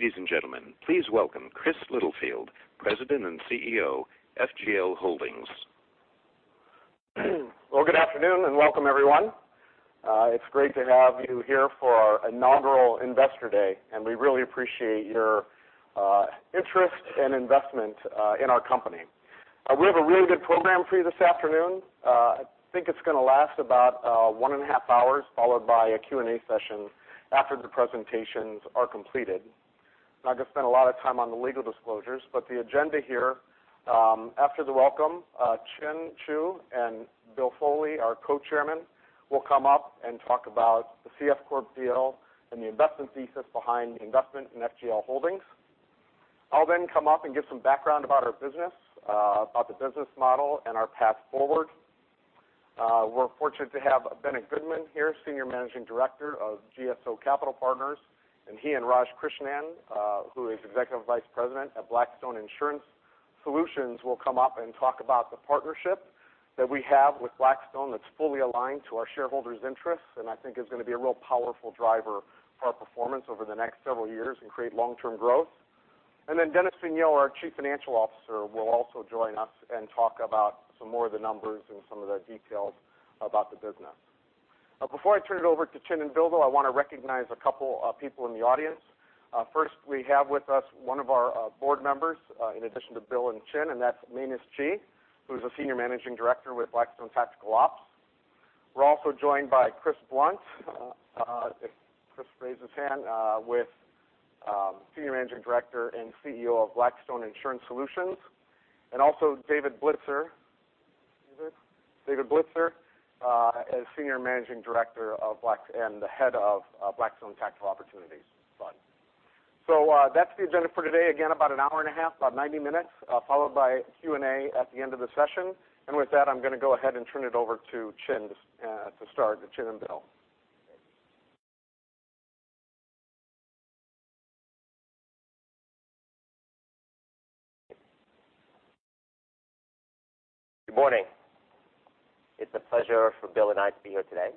Ladies and gentlemen, please welcome Chris Littlefield, President and CEO, FGL Holdings. Well, good afternoon and welcome everyone. It's great to have you here for our inaugural Investor Day, and we really appreciate your interest and investment in our company. We have a really good program for you this afternoon. I think it's going to last about one and a half hours, followed by a Q&A session after the presentations are completed. I'm not going to spend a lot of time on the legal disclosures, but the agenda here, after the welcome, Chinh Chu and Bill Foley, our co-chairmen, will come up and talk about the CF Corp deal and the investment thesis behind the investment in FGL Holdings. I'll come up and give some background about our business, about the business model and our path forward. We're fortunate to have Bennett Goodman here, Senior Managing Director of GSO Capital Partners. He and Raj Krishnan, who is Executive Vice President at Blackstone Insurance Solutions, will come up and talk about the partnership that we have with Blackstone that's fully aligned to our shareholders' interests and I think is going to be a real powerful driver for our performance over the next several years and create long-term growth. Dennis Vigneau, our Chief Financial Officer, will also join us and talk about some more of the numbers and some of the details about the business. Before I turn it over to Chinh and Bill, though, I want to recognize a couple of people in the audience. First, we have with us one of our board members, in addition to Bill and Chinh, and that's Menes Chee, who's a Senior Managing Director with Blackstone Tactical Ops. We're also joined by Chris Blunt. If Chris raise his hand, with Senior Managing Director and CEO of Blackstone Insurance Solutions. Also David Blitzer as Senior Managing Director and the Head of Blackstone Tactical Opportunities Fund. That's the agenda for today. Again, about an hour and a half, about 90 minutes, followed by Q&A at the end of the session. With that, I'm going to go ahead and turn it over to Chinh to start, Chinh and Bill. Good morning. It's a pleasure for Bill and I to be here today.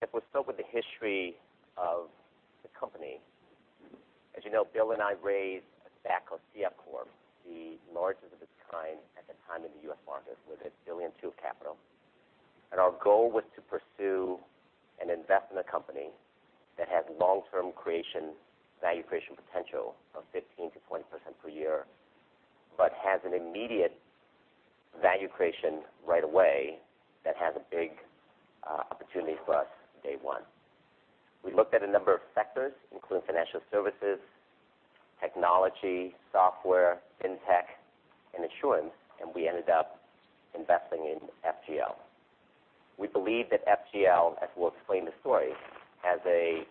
If we're still with the history of the company, as you know, Bill and I raised a SPAC of CF Corp, the largest of its kind at the time in the U.S. market with $1.2 billion of capital. Our goal was to pursue and invest in a company that had long-term value creation potential of 15%-20% per year, but has an immediate value creation right away that has a big opportunity for us day one. We looked at a number of sectors, including financial services, technology, software, fintech, and insurance, and we ended up investing in FGL. We believe that FGL, as we'll explain the story, has a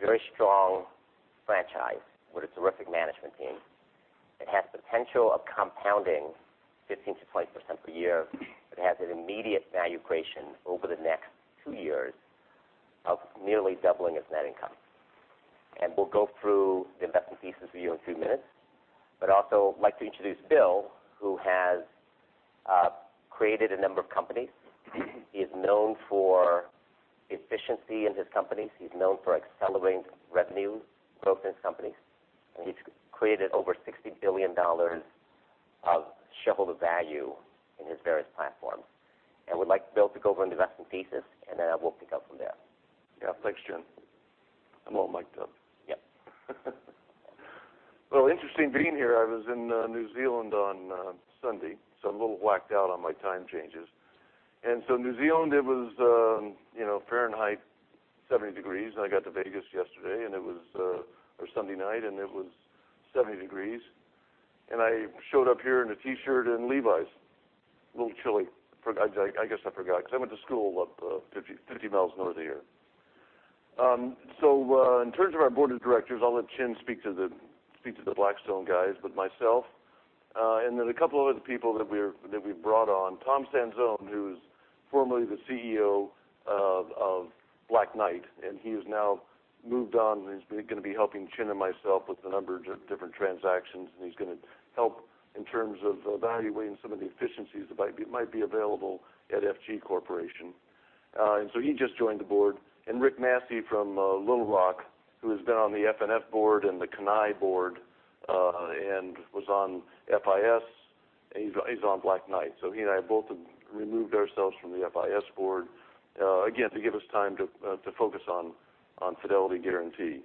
very strong franchise with a terrific management team that has the potential of compounding 15%-20% per year, that has an immediate value creation over the next two years of nearly doubling its net income. We'll go through the investment thesis with you in a few minutes. Also like to introduce Bill, who has created a number of companies. He is known for efficiency in his companies. He is known for accelerating revenue growth in his companies, and he's created over $60 billion of shareholder value in his various platforms. Would like Bill to go over the investment thesis, and then I will pick up from there. Yeah. Thanks, Chinh. I'm all mic'd up. Yep. Well, interesting being here. I was in New Zealand on Sunday, so I'm a little whacked out on my time changes. New Zealand, it was 70 degrees Fahrenheit, and I got to Vegas yesterday or Sunday night, and it was 70 degrees. I showed up here in a T-shirt and Levi's. A little chilly. I guess I forgot because I went to school up 50 miles north of here. In terms of our board of directors, I'll let Chinh speak to the Blackstone guys, but myself, a couple of other people that we've brought on, Tom Sanzone, who's formerly the CEO of Black Knight, and he has now moved on, and he's going to be helping Chinh and myself with a number of different transactions, and he's going to help in terms of evaluating some of the efficiencies that might be available at FGL Corporation. He just joined the board. Rick Massey from Little Rock, who has been on the FNF board and the Cannae board, and was on FIS, and he's on Black Knight. He and I both have removed ourselves from the FIS board, again, to give us time to focus on Fidelity & Guaranty.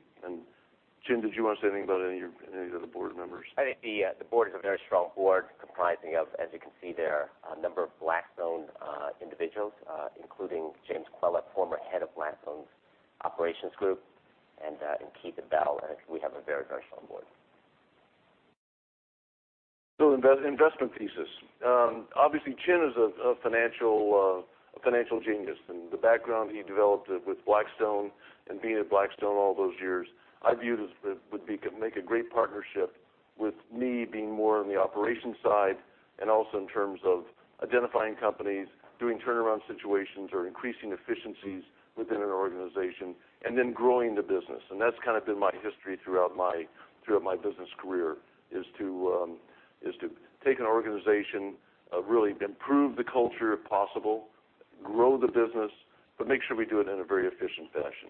Chinh, did you want to say anything about any of the other board members? I think the board is a very strong board, comprising of, as you can see there, a number of Blackstone individuals, including James Quella, former head of Blackstone's operations group, and Keith Bell. We have a very strong board. Investment thesis. Obviously, Chinh is a financial genius, and the background he developed with Blackstone and being at Blackstone all those years, I viewed as would make a great partnership with me being more on the operations side and also in terms of identifying companies, doing turnaround situations or increasing efficiencies within an organization and then growing the business. That's kind of been my history throughout my business career, is to take an organization, really improve the culture if possible Grow the business, make sure we do it in a very efficient fashion.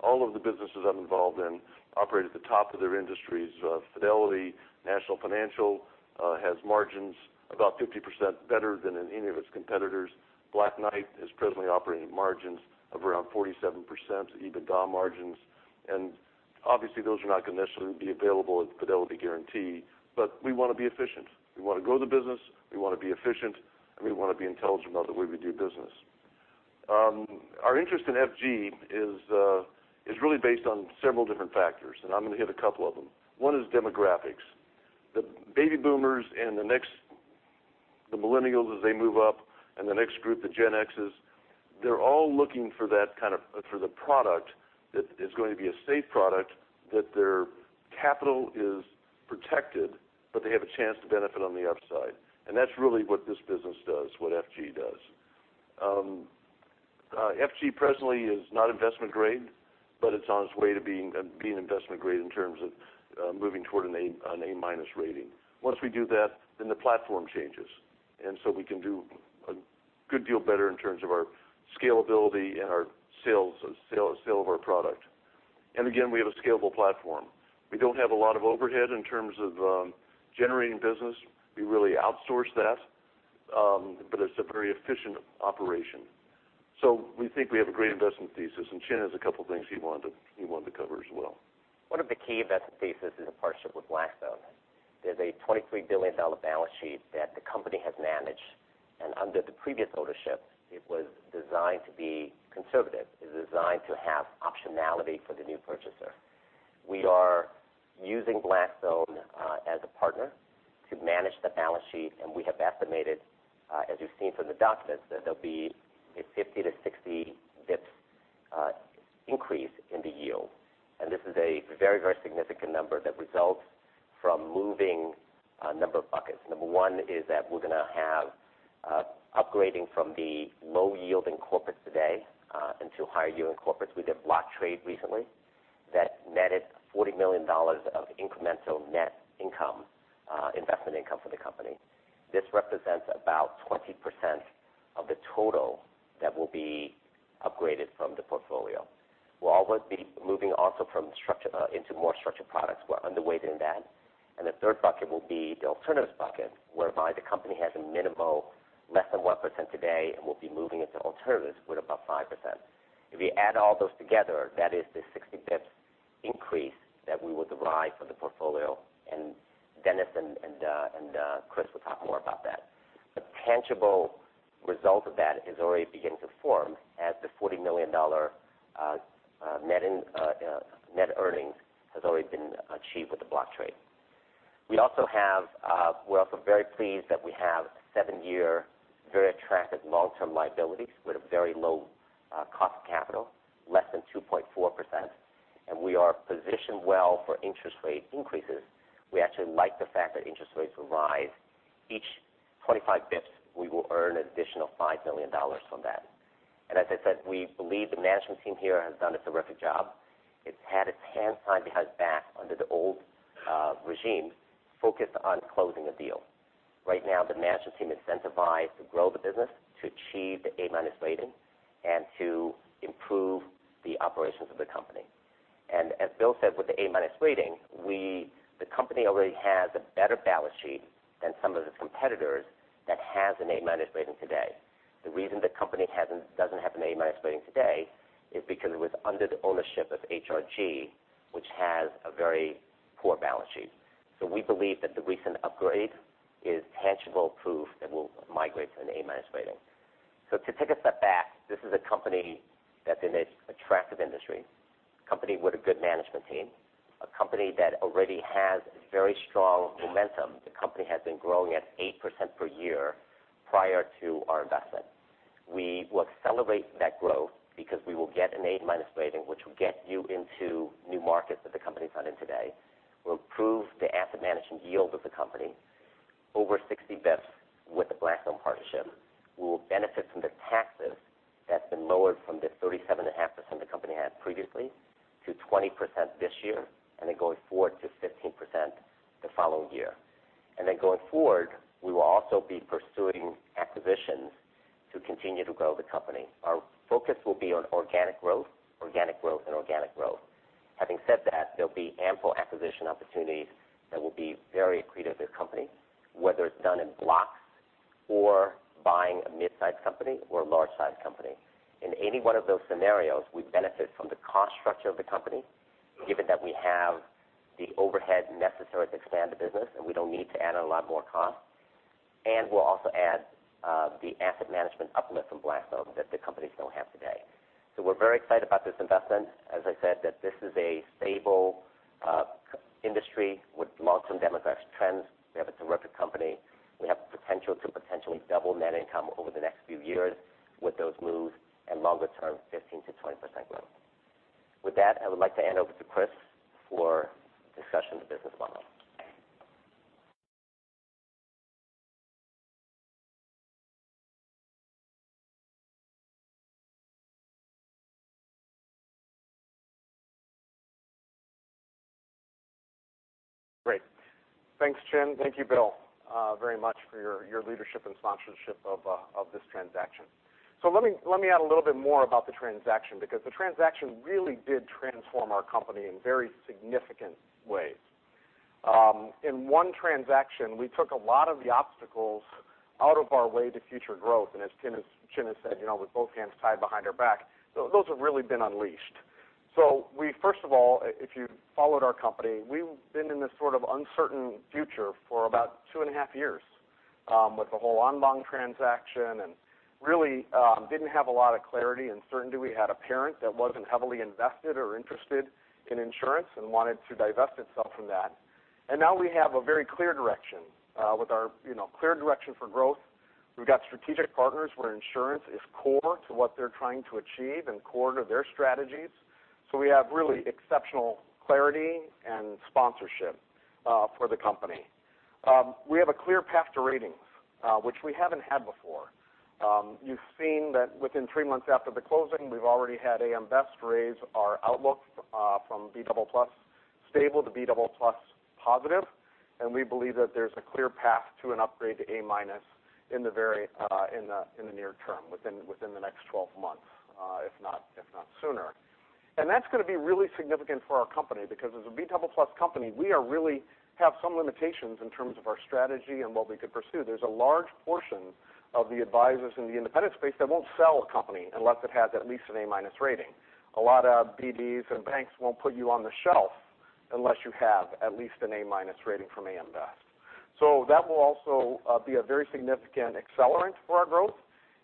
All of the businesses I'm involved in operate at the top of their industries. Fidelity National Financial has margins about 50% better than any of its competitors. Black Knight is presently operating margins of around 47%, EBITDA margins. Obviously those are not going to necessarily be available at Fidelity & Guaranty, but we want to be efficient. We want to grow the business, we want to be efficient, and we want to be intelligent about the way we do business. Our interest in F&G is really based on several different factors, I'm going to hit a couple of them. One is demographics. The baby boomers and the millennials as they move up, and the next group, the Gen X, they're all looking for the product that is going to be a safe product, that their capital is protected, but they have a chance to benefit on the upside. That's really what this business does, what FGL does. FGL presently is not investment grade, but it's on its way to being investment grade in terms of moving toward an A-minus rating. Once we do that, the platform changes. We can do a good deal better in terms of our scalability and our sale of our product. Again, we have a scalable platform. We don't have a lot of overhead in terms of generating business. We really outsource that. It's a very efficient operation. We think we have a great investment thesis, Chin has a couple things he wanted to cover as well. One of the key investment thesis is a partnership with Blackstone. There's a $23 billion balance sheet that the company has managed. Under the previous ownership, it was designed to be conservative. It was designed to have optionality for the new purchaser. We are using Blackstone as a partner to manage the balance sheet, we have estimated, as you've seen from the documents, that there'll be a 50 to 60 basis points increase in the yield. This is a very significant number that results from moving a number of buckets. Number 1 is that we're going to have upgrading from the low yielding corporates today into higher yielding corporates. We did block trade recently that netted $40 million of incremental net income, investment income for the company. This represents about 20% of the total that will be upgraded from the portfolio. We'll also be moving into more structured products. We're underweight in that. The third bucket will be the alternatives bucket, whereby the company has a minimal, less than 1% today, we'll be moving into alternatives with about 5%. If we add all those together, that is the 60 basis points increase that we would derive for the portfolio. Dennis and Chris will talk more about that. The tangible result of that is already beginning to form as the $40 million net earnings has already been achieved with the block trade. We're also very pleased that we have seven-year very attractive long-term liabilities with a very low cost of capital, less than 2.4%. We are positioned well for interest rate increases. We actually like the fact that interest rates will rise. Each 25 basis points, we will earn an additional $5 million from that. As I said, we believe the management team here has done a terrific job. It's had its hands tied behind its back under the old regime, focused on closing a deal. Right now, the management team is incentivized to grow the business, to achieve the A-minus rating, and to improve the operations of the company. As Bill said, with the A-minus rating, the company already has a better balance sheet than some of the competitors that have an A-minus rating today. The reason the company doesn't have an A-minus rating today is because it was under the ownership of HRG, which has a very poor balance sheet. We believe that the recent upgrade is tangible proof that we'll migrate to an A-minus rating. To take a step back, this is a company that's in an attractive industry, a company with a good management team, a company that already has very strong momentum. The company has been growing at 8% per year prior to our investment. We will accelerate that growth because we will get an A-minus rating, which will get you into new markets that the company's not in today. We'll improve the asset management yield of the company over 60 basis points with the Blackstone partnership. We will benefit from the taxes that's been lowered from the 37.5% the company had previously to 20% this year, then going forward to 15% the following year. Then going forward, we will also be pursuing acquisitions to continue to grow the company. Our focus will be on organic growth, organic growth, and organic growth. Having said that, there'll be ample acquisition opportunities that will be very accretive to the company, whether it's done in blocks or buying a mid-size company or a large-size company. In any one of those scenarios, we benefit from the cost structure of the company, given that we have the overhead necessary to expand the business and we don't need to add on a lot more cost. We'll also add the asset management uplift from Blackstone that the companies don't have today. We're very excited about this investment. As I said, that this is a stable industry with long-term demographic trends. We have a terrific company. We have the potential to potentially double net income over the next few years with those moves and longer term, 15%-20% growth. With that, I would like to hand over to Chris for discussion of the business model. Great. Thanks, Chin. Thank you, Bill, very much for your leadership and sponsorship of this transaction. Let me add a little bit more about the transaction because the transaction really did transform our company in very significant ways. In one transaction, we took a lot of the obstacles out of our way to future growth, as Chin has said, with both hands tied behind our back, those have really been unleashed. First of all, if you followed our company, we've been in this sort of uncertain future for about two and a half years with the whole Anbang transaction and really didn't have a lot of clarity and certainty. We had a parent that wasn't heavily invested or interested in insurance and wanted to divest itself from that. Now we have a very clear direction for growth. We've got Strategic Partners where insurance is core to what they're trying to achieve and core to their strategies. We have really exceptional clarity and sponsorship for the company. We have a clear path to ratings, which we haven't had before. You've seen that within 3 months after the closing, we've already had AM Best raise our outlook from B++ stable to B++ positive, and we believe that there's a clear path to an upgrade to A- in the near term, within the next 12 months, if not sooner. That's going to be really significant for our company because as a B++ company, we really have some limitations in terms of our strategy and what we could pursue. There's a large portion of the advisors in the independent space that won't sell a company unless it has at least an A- rating. A lot of BDs and banks won't put you on the shelf unless you have at least an A- rating from AM Best. That will also be a very significant accelerant for our growth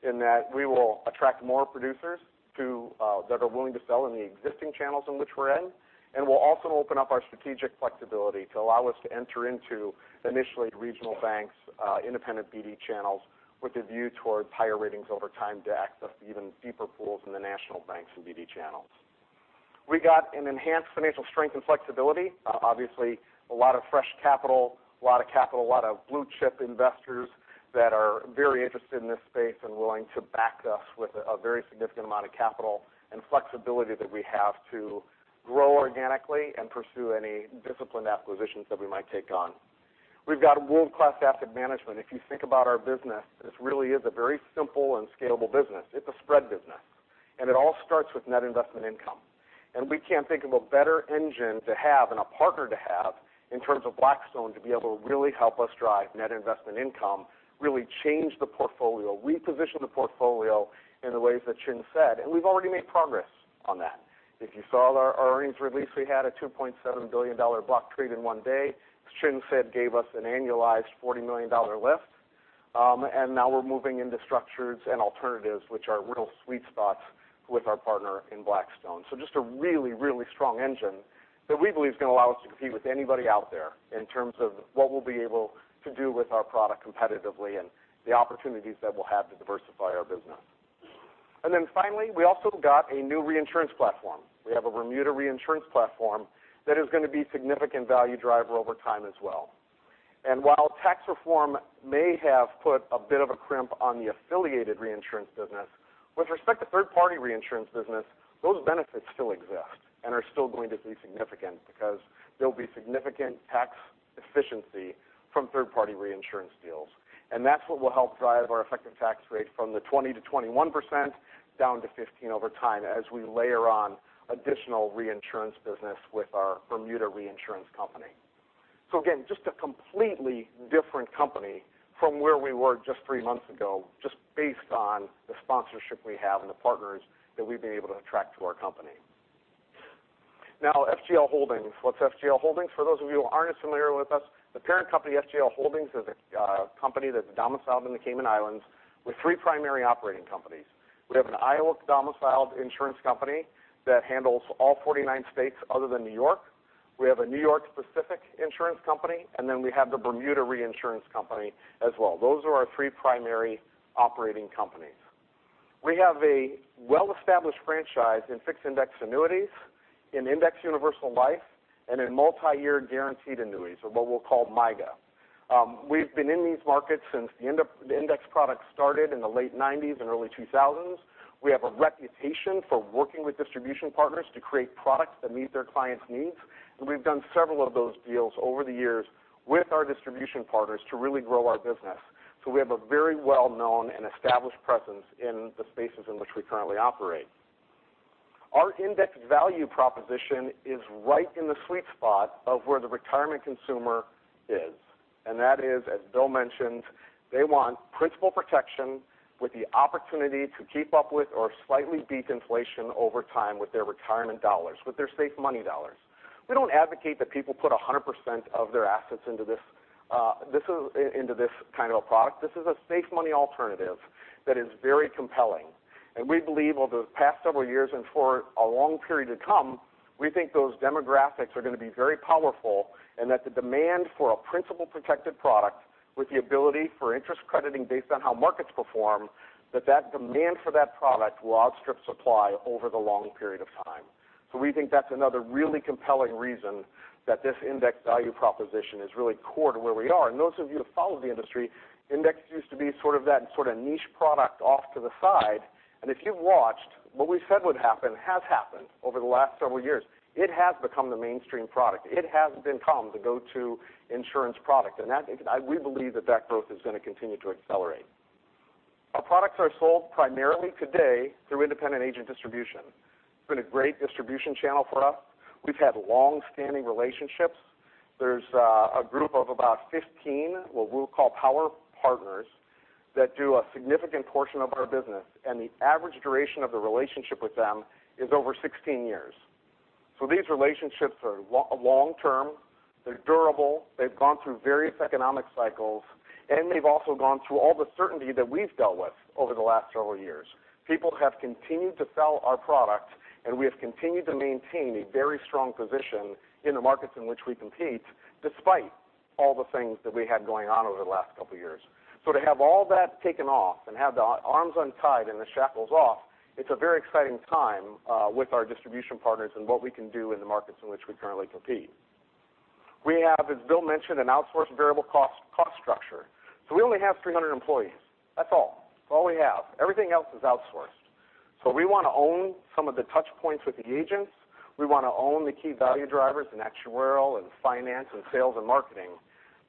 in that we will attract more producers that are willing to sell in the existing channels in which we're in, and will also open up our strategic flexibility to allow us to enter into initially regional banks, independent BD channels with a view towards higher ratings over time to access even deeper pools in the national banks and BD channels. We got an enhanced financial strength and flexibility. Obviously, a lot of fresh capital, a lot of blue-chip investors that are very interested in this space and willing to back us with a very significant amount of capital and flexibility that we have to grow organically and pursue any disciplined acquisitions that we might take on. We've got world-class asset management. If you think about our business, this really is a very simple and scalable business. It's a spread business, and it all starts with net investment income. We can't think of a better engine to have and a partner to have in terms of Blackstone to be able to really help us drive net investment income, really change the portfolio, reposition the portfolio in the ways that Chin said. We've already made progress on that. If you saw our earnings release, we had a $2.7 billion block trade in one day. As Chin said, gave us an annualized $40 million lift. Now we're moving into structures and alternatives, which are real sweet spots with our partner in Blackstone. Just a really, really strong engine that we believe is going to allow us to compete with anybody out there in terms of what we'll be able to do with our product competitively and the opportunities that we'll have to diversify our business. Then finally, we also got a new reinsurance platform. We have a Bermuda reinsurance platform that is going to be significant value driver over time as well. While tax reform may have put a bit of a crimp on the affiliated reinsurance business, with respect to third-party reinsurance business, those benefits still exist and are still going to be significant because there'll be significant tax efficiency from third-party reinsurance deals. That's what will help drive our effective tax rate from the 20%-21% down to 15% over time as we layer on additional reinsurance business with our Bermuda reinsurance company. Again, just a completely different company from where we were just 3 months ago, just based on the sponsorship we have and the partners that we've been able to attract to our company. Now, FGL Holdings. What's FGL Holdings? For those of you who aren't as familiar with us, the parent company, FGL Holdings, is a company that's domiciled in the Cayman Islands with 3 primary operating companies. We have an Iowa-domiciled insurance company that handles all 49 states other than New York. We have a New York-specific insurance company, and then we have the Bermuda reinsurance company as well. Those are our 3 primary operating companies. We have a well-established franchise in fixed index annuities, in index universal life, and in multi-year guaranteed annuities, or what we'll call MYGA. We've been in these markets since the index product started in the late 1990s and early 2000s. We have a reputation for working with distribution partners to create products that meet their clients' needs, and we've done several of those deals over the years with our distribution partners to really grow our business. We have a very well-known and established presence in the spaces in which we currently operate. Our index value proposition is right in the sweet spot of where the retirement consumer is, and that is, as Bill mentioned, they want principal protection with the opportunity to keep up with or slightly beat inflation over time with their retirement dollars, with their safe money dollars. We don't advocate that people put 100% of their assets into this kind of a product. This is a safe money alternative that is very compelling. We believe over the past several years and for a long period to come, we think those demographics are going to be very powerful and that the demand for a principal protected product with the ability for interest crediting based on how markets perform, that demand for that product will outstrip supply over the long period of time. We think that's another really compelling reason that this index value proposition is really core to where we are. Those of you who follow the industry, index used to be sort of that niche product off to the side. If you've watched, what we said would happen has happened over the last several years. It has become the mainstream product. It has become the go-to insurance product, and we believe that growth is going to continue to accelerate. Our products are sold primarily today through independent agent distribution. It's been a great distribution channel for us. We've had long-standing relationships. There's a group of about 15, what we'll call power partners, that do a significant portion of our business, and the average duration of the relationship with them is over 16 years. These relationships are long-term, they're durable, they've gone through various economic cycles, and they've also gone through all the certainty that we've dealt with over the last several years. People have continued to sell our product, and we have continued to maintain a very strong position in the markets in which we compete, despite all the things that we had going on over the last couple of years. To have all that taken off and have the arms untied and the shackles off, it's a very exciting time with our distribution partners and what we can do in the markets in which we currently compete. We have, as Bill mentioned, an outsourced variable cost structure. We only have 300 employees. That's all. That's all we have. Everything else is outsourced. We want to own some of the touch points with the agents. We want to own the key value drivers in actuarial and finance and sales and marketing.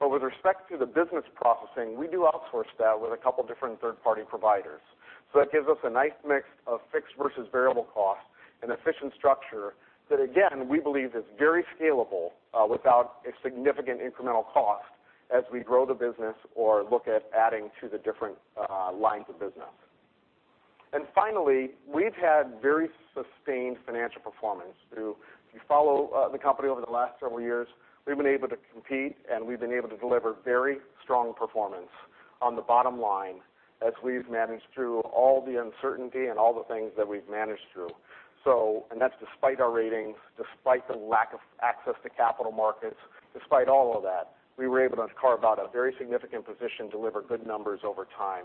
With respect to the business processing, we do outsource that with a couple of different third-party providers. That gives us a nice mix of fixed versus variable cost and efficient structure that again, we believe is very scalable without a significant incremental cost as we grow the business or look at adding to the different lines of business. Finally, we've had very sustained financial performance through. If you follow the company over the last several years, we've been able to compete, and we've been able to deliver very strong performance on the bottom line as we've managed through all the uncertainty and all the things that we've managed through. That's despite our ratings, despite the lack of access to capital markets, despite all of that, we were able to carve out a very significant position, deliver good numbers over time.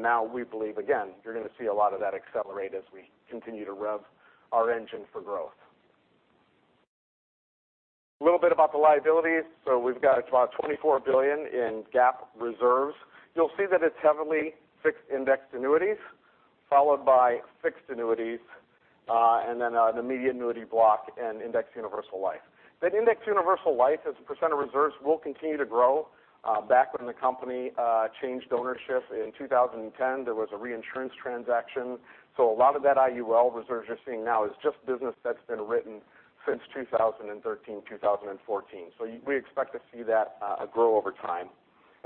Now we believe, again, you're going to see a lot of that accelerate as we continue to rev our engine for growth. A little bit about the liabilities. We've got about $24 billion in GAAP reserves. You'll see that it's heavily fixed indexed annuities, followed by fixed annuities, and then the immediate annuity block and indexed universal life. That indexed universal life as a percent of reserves will continue to grow. Back when the company changed ownership in 2010, there was a reinsurance transaction. A lot of that IUL reserves you're seeing now is just business that's been written since 2013, 2014. We expect to see that grow over time.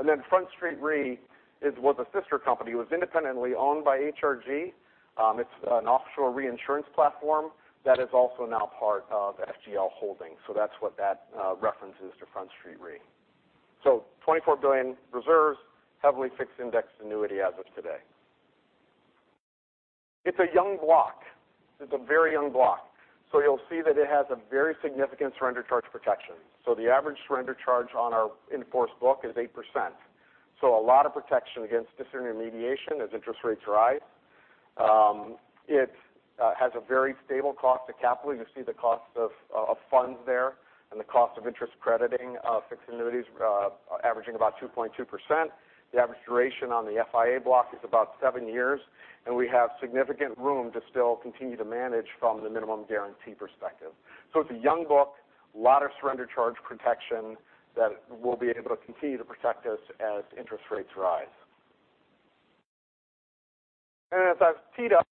Then Front Street Re was a sister company, was independently owned by HRG. It's an offshore reinsurance platform that is also now part of FGL Holdings. That's what that reference is to Front Street Re. $24 billion reserves, heavily fixed indexed annuity as of today. It's a young block. It's a very young block. You'll see that it has a very significant surrender charge protection. The average surrender charge on our in-force book is 8%. A lot of protection against disintermediation as interest rates rise. It has a very stable cost of capital. You'll see the cost of funds there and the cost of interest crediting fixed annuities averaging about 2.2%. The average duration on the FIA block is about seven years, and we have significant room to still continue to manage from the minimum guarantee perspective. It's a young book, a lot of surrender charge protection that we'll be able to continue to protect us as interest rates rise. As I've teed up,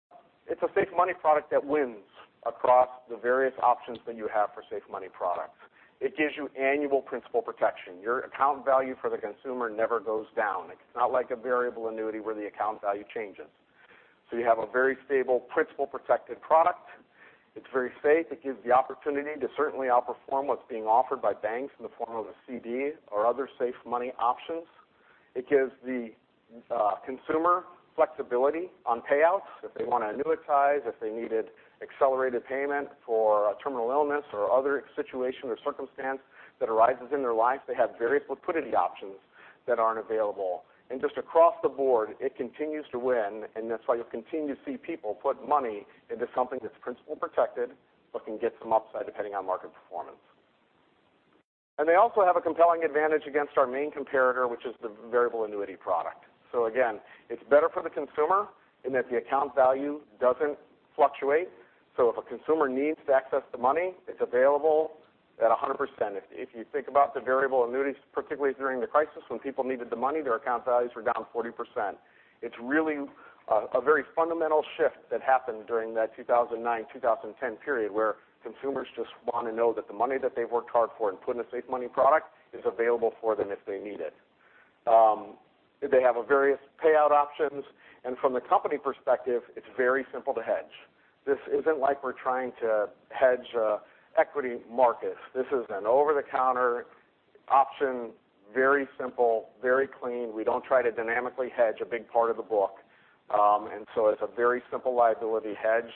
it's a safe money product that wins across the various options that you have for safe money products. It gives you annual principal protection. Your account value for the consumer never goes down. It's not like a variable annuity where the account value changes. You have a very stable principal protected product. It's very safe. It gives the opportunity to certainly outperform what's being offered by banks in the form of a CD or other safe money options. It gives the consumer flexibility on payouts if they want to annuitize, if they needed accelerated payment for a terminal illness or other situation or circumstance that arises in their life. They have various liquidity options that aren't available. Just across the board, it continues to win, and that's why you'll continue to see people put money into something that's principal protected but can get some upside depending on market performance. They also have a compelling advantage against our main comparator, which is the variable annuity product. Again, it's better for the consumer in that the account value doesn't fluctuate. If a consumer needs to access the money, it's available at 100%. If you think about the variable annuities, particularly during the crisis when people needed the money, their account values were down 40%. It's really a very fundamental shift that happened during that 2009, 2010 period where consumers just want to know that the money that they've worked hard for and put in a safe money product is available for them if they need it. They have various payout options. From the company perspective, it's very simple to hedge. This isn't like we're trying to hedge equity markets. This is an over-the-counter option, very simple, very clean. We don't try to dynamically hedge a big part of the book. It's a very simple liability hedge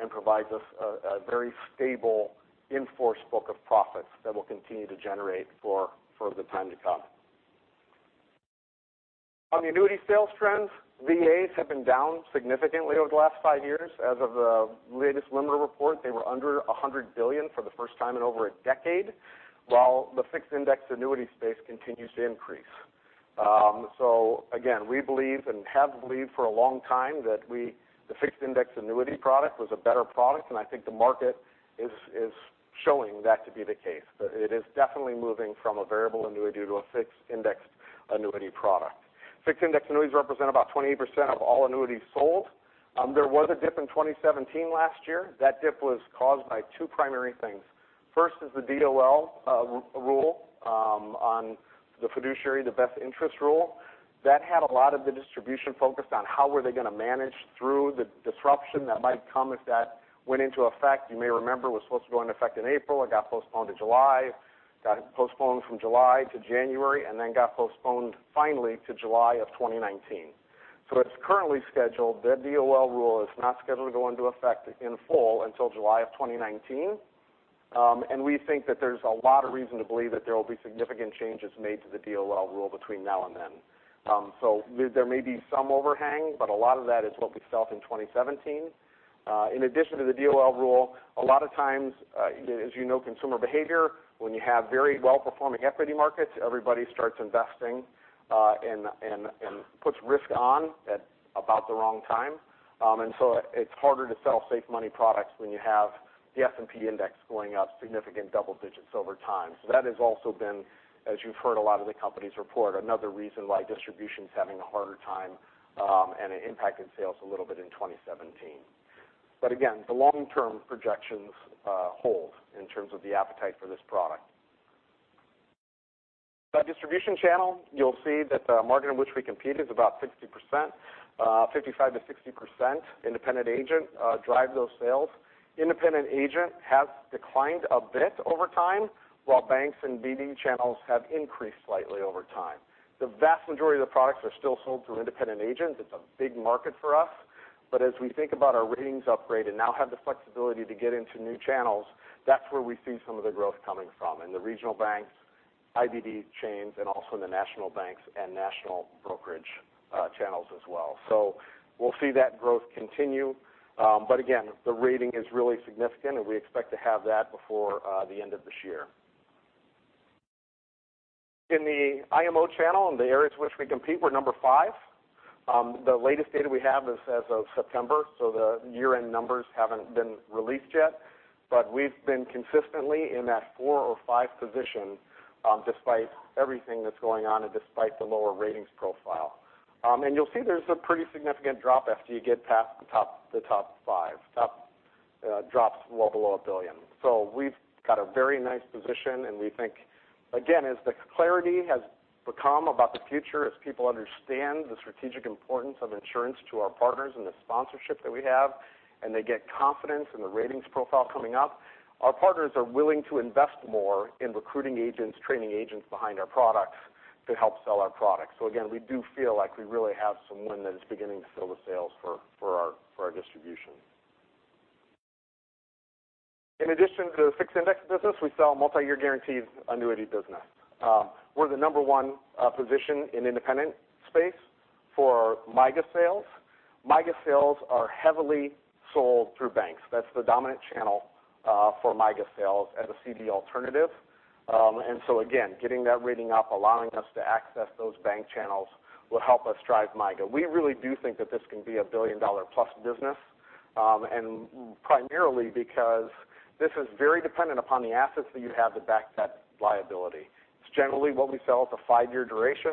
and provides us a very stable in-force book of profits that we'll continue to generate for the time to come. On the annuity sales trends, VAs have been down significantly over the last five years. As of the latest LIMRA report, they were under $100 billion for the first time in over a decade, while the fixed index annuity space continues to increase. Again, we believe and have believed for a long time that the fixed index annuity product was a better product, and I think the market is showing that to be the case. It is definitely moving from a variable annuity to a fixed indexed annuity product. Fixed indexed annuities represent about 28% of all annuities sold. There was a dip in 2017 last year. That dip was caused by two primary things. First is the DOL rule on the fiduciary, the best interest rule. That had a lot of the distribution focused on how were they going to manage through the disruption that might come if that went into effect. You may remember it was supposed to go into effect in April. It got postponed to July, got postponed from July to January, then got postponed finally to July of 2019. As currently scheduled, the DOL rule is not scheduled to go into effect in full until July of 2019. We think that there's a lot of reason to believe that there will be significant changes made to the DOL rule between now and then. There may be some overhang, but a lot of that is what we felt in 2017. In addition to the DOL rule, a lot of times, as you know consumer behavior, when you have very well-performing equity markets, everybody starts investing, and puts risk on at about the wrong time. It's harder to sell safe money products when you have the S&P index going up significant double digits over time. That has also been, as you've heard a lot of the companies report, another reason why distribution's having a harder time, and it impacted sales a little bit in 2017. Again, the long-term projections hold in terms of the appetite for this product. By distribution channel, you'll see that the market in which we compete is about 60%, 55%-60% independent agent drive those sales. Independent agent has declined a bit over time, while banks and BD channels have increased slightly over time. The vast majority of the products are still sold through independent agents. It's a big market for us. As we think about our ratings upgrade and now have the flexibility to get into new channels, that's where we see some of the growth coming from, in the regional banks, IBD chains, and also in the national banks and national brokerage channels as well. We'll see that growth continue. Again, the rating is really significant, and we expect to have that before the end of this year. In the IMO channel, in the areas which we compete, we're number 5. The latest data we have is as of September, so the year-end numbers haven't been released yet. We've been consistently in that four or five position, despite everything that's going on and despite the lower ratings profile. You'll see there's a pretty significant drop after you get past the top 5. Drops well below $1 billion. We've got a very nice position, and we think, again, as the clarity has become about the future, as people understand the strategic importance of insurance to our partners and the sponsorship that we have, and they get confidence in the ratings profile coming up, our partners are willing to invest more in recruiting agents, training agents behind our products to help sell our products. Again, we do feel like we really have some wind that is beginning to fill the sails for our distribution. In addition to the fixed index business, we sell multi-year guaranteed annuity business. We're the number 1 position in independent space for MYGA sales. MYGA sales are heavily sold through banks. That's the dominant channel for MYGA sales as a CD alternative. Again, getting that rating up, allowing us to access those bank channels will help us drive MYGA. We really do think that this can be a $1 billion-plus business, primarily because this is very dependent upon the assets that you have to back that liability. It's generally what we sell is a 5-year duration.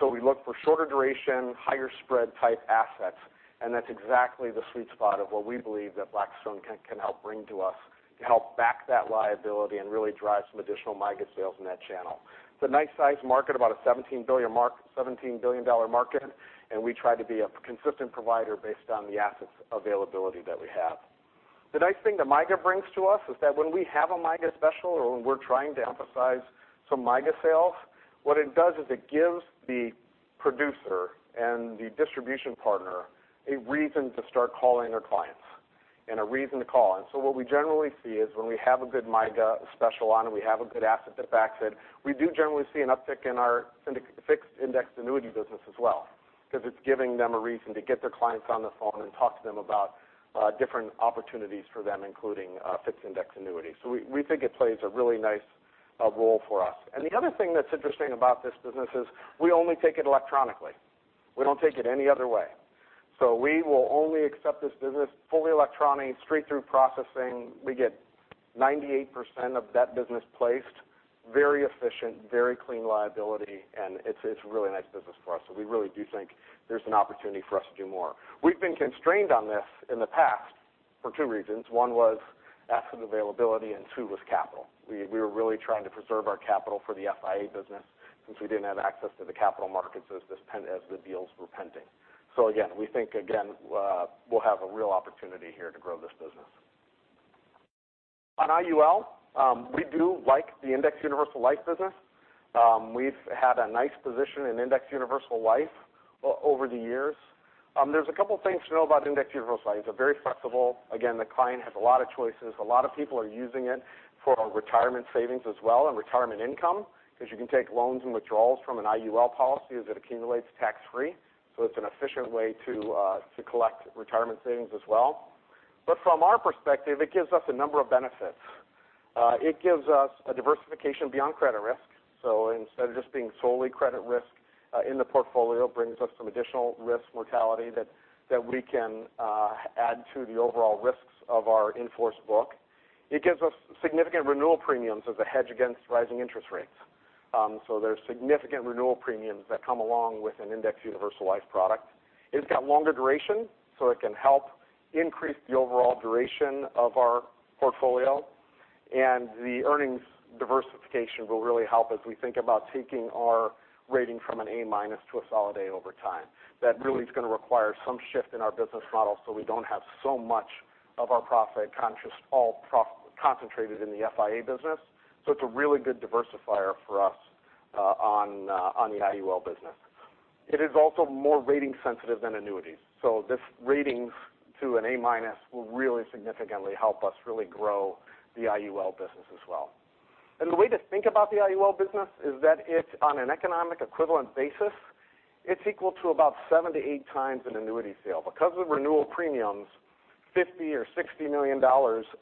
We look for shorter duration, higher spread type assets, and that's exactly the sweet spot of what we believe that Blackstone can help bring to us to help back that liability and really drive some additional MYGA sales in that channel. It's a nice size market, about a $17 billion market. We try to be a consistent provider based on the assets availability that we have. The nice thing that MYGA brings to us is that when we have a MYGA special or when we're trying to emphasize some MYGA sales, what it does is it gives the producer and the distribution partner a reason to start calling their clients and a reason to call. What we generally see is when we have a good MYGA special on and we have a good asset that backs it, we do generally see an uptick in our fixed indexed annuity business as well because it's giving them a reason to get their clients on the phone and talk to them about different opportunities for them, including fixed index annuities. We think it plays a really nice role for us. The other thing that's interesting about this business is we only take it electronically. We don't take it any other way. We will only accept this business fully electronic, straight through processing. We get 98% of that business placed, very efficient, very clean liability, and it's really nice business for us. We really do think there's an opportunity for us to do more. We've been constrained on this in the past for two reasons. One was asset availability, and two was capital. We were really trying to preserve our capital for the FIA business since we didn't have access to the capital markets as the deals were pending. We think we'll have a real opportunity here to grow this business. On IUL, we do like the Index Universal Life business. We've had a nice position in Index Universal Life over the years. There's a couple things to know about Index Universal Life. It's very flexible. Again, the client has a lot of choices. A lot of people are using it for retirement savings as well and retirement income because you can take loans and withdrawals from an IUL policy as it accumulates tax-free. It's an efficient way to collect retirement savings as well. From our perspective, it gives us a number of benefits. It gives us a diversification beyond credit risk. Instead of just being solely credit risk in the portfolio, brings us some additional risk mortality that we can add to the overall risks of our in-force book. It gives us significant renewal premiums as a hedge against rising interest rates. There's significant renewal premiums that come along with an Index Universal Life product. It's got longer duration, so it can help increase the overall duration of our portfolio, and the earnings diversification will really help as we think about taking our rating from an A- to a solid A over time. That really is going to require some shift in our business model so we don't have so much of our profit concentrated in the FIA business. It's a really good diversifier for us on the IUL business. It is also more rating sensitive than annuities. This ratings to an A- will really significantly help us really grow the IUL business as well. The way to think about the IUL business is that it's on an economic equivalent basis. It's equal to about seven to eight times an annuity sale. Because of renewal premiums, $50 million or $60 million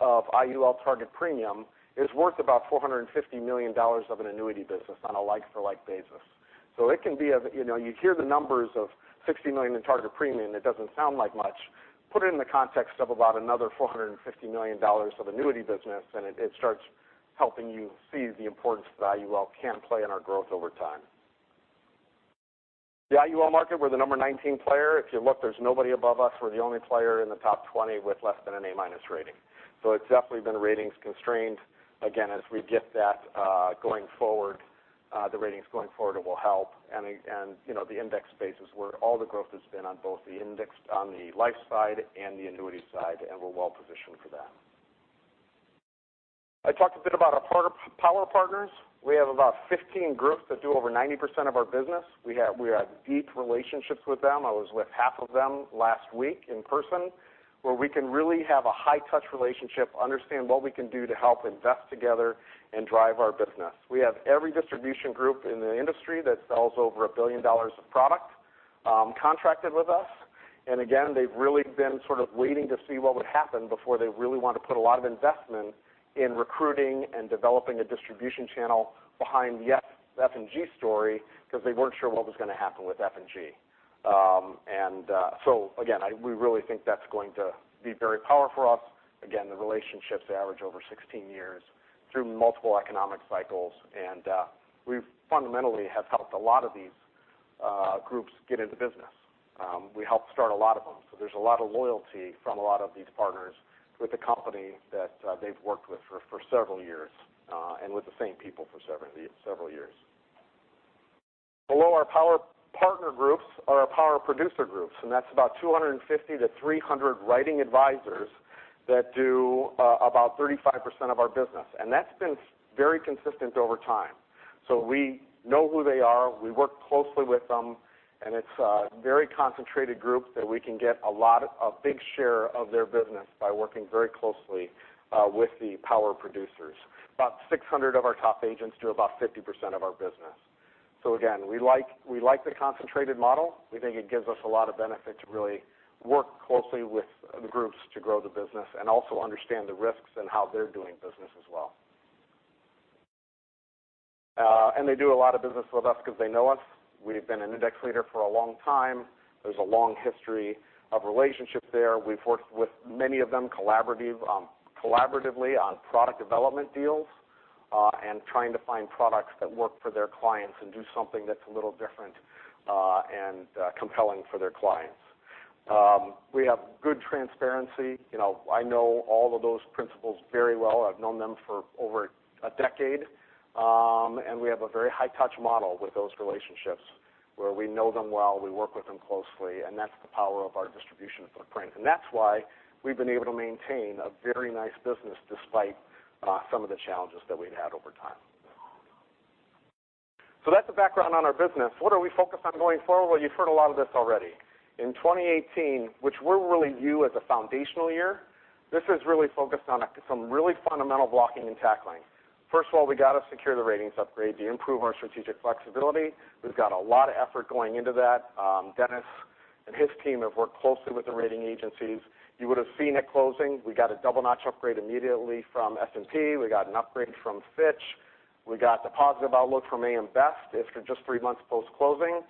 of IUL target premium is worth about $450 million of an annuity business on a like-for-like basis. You hear the numbers of $60 million in target premium, it doesn't sound like much. Put it in the context of about another $450 million of annuity business, it starts helping you see the importance that IUL can play in our growth over time. The IUL market, we're the number 19 player. If you look, there's nobody above us. We're the only player in the top 20 with less than an A- rating. It's definitely been ratings constrained. Again, as we get that going forward, the ratings going forward will help. The index space is where all the growth has been on both the indexed on the life side and the annuity side, we're well-positioned for that. I talked a bit about our power partners. We have about 15 groups that do over 90% of our business. We have deep relationships with them. I was with half of them last week in person, where we can really have a high-touch relationship, understand what we can do to help invest together and drive our business. We have every distribution group in the industry that sells over $1 billion of product contracted with us. Again, they've really been sort of waiting to see what would happen before they really want to put a lot of investment in recruiting and developing a distribution channel behind the F&G story because they weren't sure what was going to happen with F&G. Again, we really think that's going to be very powerful for us. Again, the relationships average over 16 years through multiple economic cycles, we fundamentally have helped a lot of these groups get into business. We helped start a lot of them. There's a lot of loyalty from a lot of these partners with the company that they've worked with for several years, and with the same people for several years. Below our power partner groups are our power producer groups, that's about 250-300 writing advisors that do about 35% of our business. That's been very consistent over time. We know who they are. We work closely with them, it's a very concentrated group that we can get a big share of their business by working very closely with the power producers. About 600 of our top agents do about 50% of our business. Again, we like the concentrated model. We think it gives us a lot of benefit to really work closely with the groups to grow the business and also understand the risks and how they're doing business as well. They do a lot of business with us because they know us. We've been an index leader for a long time. There's a long history of relationship there. We've worked with many of them collaboratively on product development deals and trying to find products that work for their clients and do something that's a little different and compelling for their clients. We have good transparency. I know all of those principals very well. I've known them for over a decade. We have a very high-touch model with those relationships where we know them well, we work with them closely, that's the power of our distribution footprint. That's why we've been able to maintain a very nice business despite some of the challenges that we've had over time. That's the background on our business. What are we focused on going forward? You've heard a lot of this already. In 2018, which we really view as a foundational year, this is really focused on some really fundamental blocking and tackling. First of all, we got to secure the ratings upgrade to improve our strategic flexibility. We've got a lot of effort going into that. Dennis and his team have worked closely with the rating agencies. You would have seen at closing, we got a double notch upgrade immediately from S&P. We got an upgrade from Fitch. We got the positive outlook from AM Best after just three months post-closing,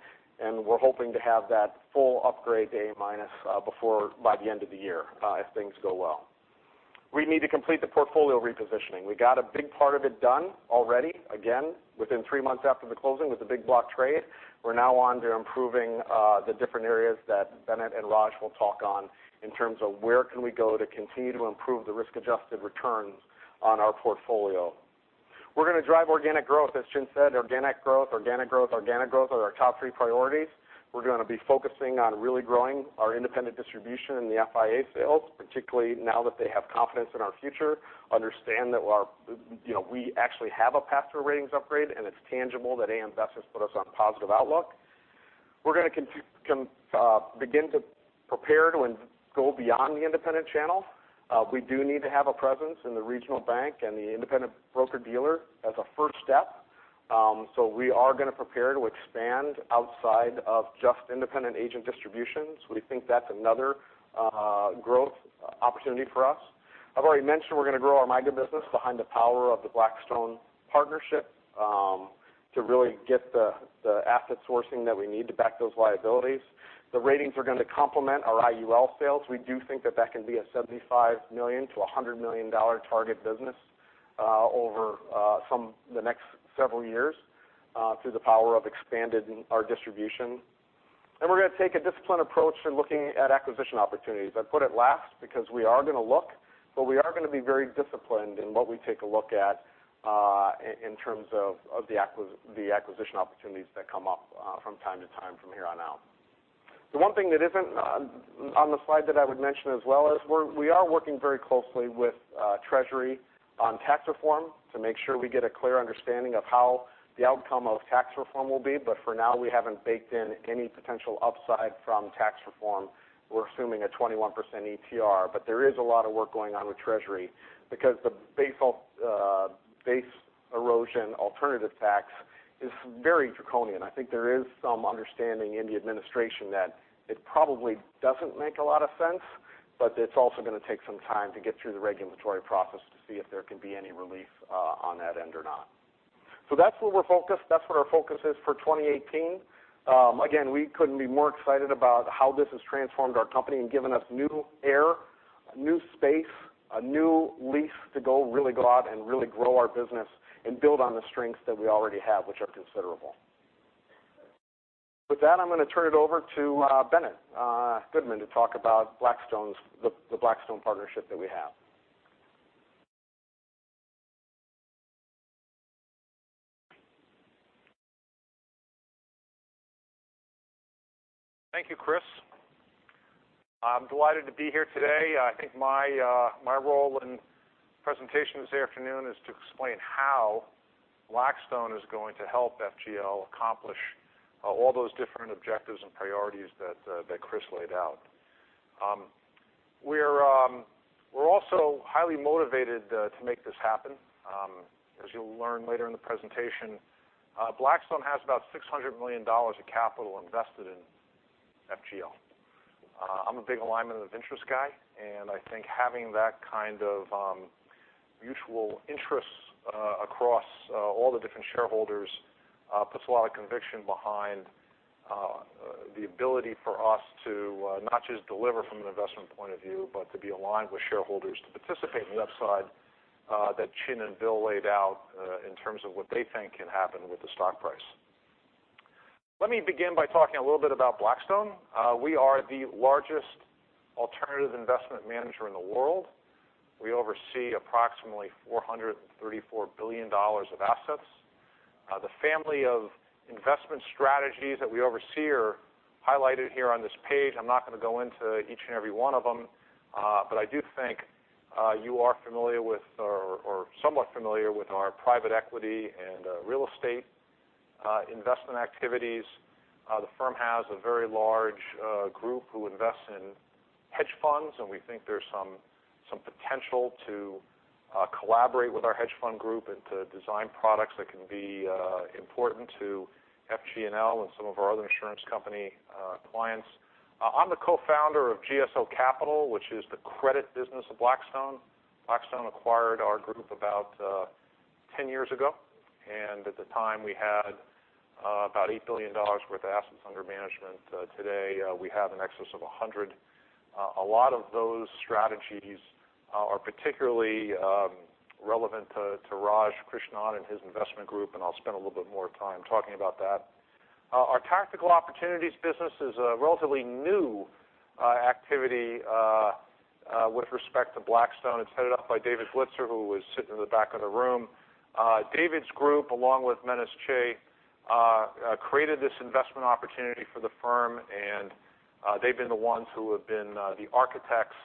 and we're hoping to have that full upgrade to A- by the end of the year if things go well. We need to complete the portfolio repositioning. We got a big part of it done already, again, within three months after the closing with the big block trade. We're now on to improving the different areas that Bennett and Raj will talk on in terms of where can we go to continue to improve the risk-adjusted returns on our portfolio. We're going to drive organic growth. As Chinh said, organic growth, organic growth, organic growth are our top three priorities. We're going to be focusing on really growing our independent distribution in the FIA sales, particularly now that they have confidence in our future, understand that we actually have a path to a ratings upgrade, and it's tangible that AM Best has put us on a positive outlook. We're going to begin to prepare to go beyond the independent channel. We do need to have a presence in the regional bank and the independent broker-dealer as a first step. We are going to prepare to expand outside of just independent agent distributions. We think that's another growth opportunity for us. I've already mentioned we're going to grow our MYGA business behind the power of the Blackstone partnership to really get the asset sourcing that we need to back those liabilities. The ratings are going to complement our IUL sales. We do think that can be a $75 million to $100 million target business over the next several years through the power of expanded distribution. We're going to take a disciplined approach in looking at acquisition opportunities. I put it last because we are going to look, but we are going to be very disciplined in what we take a look at in terms of the acquisition opportunities that come up from time to time from here on out. The one thing that isn't on the slide that I would mention as well is we are working very closely with Treasury on tax reform to make sure we get a clear understanding of how the outcome of tax reform will be. For now, we haven't baked in any potential upside from tax reform. We're assuming a 21% ETR. There is a lot of work going on with Treasury because the base erosion alternative tax is very draconian. I think there is some understanding in the administration that it probably doesn't make a lot of sense, but it's also going to take some time to get through the regulatory process to see if there can be any relief on that end or not. That's where we're focused. That's what our focus is for 2018. Again, we couldn't be more excited about how this has transformed our company and given us new air, new space, a new lease to go really go out and really grow our business and build on the strengths that we already have, which are considerable. With that, I'm going to turn it over to Bennett Goodman to talk about the Blackstone partnership that we have. Thank you, Chris. I'm delighted to be here today. I think my role in the presentation this afternoon is to explain how Blackstone is going to help FGL accomplish all those different objectives and priorities that Chris laid out. We're also highly motivated to make this happen. As you'll learn later in the presentation, Blackstone has about $600 million of capital invested in FGL. I'm a big alignment of interest guy, and I think having that kind of mutual interest across all the different shareholders puts a lot of conviction behind the ability for us to not just deliver from an investment point of view, but to be aligned with shareholders to participate in the upside that Chin and Bill laid out in terms of what they think can happen with the stock price. Let me begin by talking a little bit about Blackstone. We are the largest alternative investment manager in the world. We oversee approximately $434 billion of assets. The family of investment strategies that we oversee are highlighted here on this page. I'm not going to go into each and every one of them, but I do think you are familiar with, or somewhat familiar with our private equity and real estate investment activities. The firm has a very large group who invest in hedge funds, and we think there's some potential to collaborate with our hedge fund group and to design products that can be important to FG&L and some of our other insurance company clients. I'm the co-founder of GSO Capital, which is the credit business of Blackstone. Blackstone acquired our group about 10 years ago, and at the time, we had about $8 billion worth of assets under management. Today, we have in excess of $100 billion. A lot of those strategies are particularly relevant to Raj Krishnan and his investment group, and I'll spend a little bit more time talking about that. Our Tactical Opportunities business is a relatively new activity with respect to Blackstone. It's headed up by David Blitzer, who is sitting in the back of the room. David's group, along with Menes Chee, created this investment opportunity for the firm, and they've been the ones who have been the architects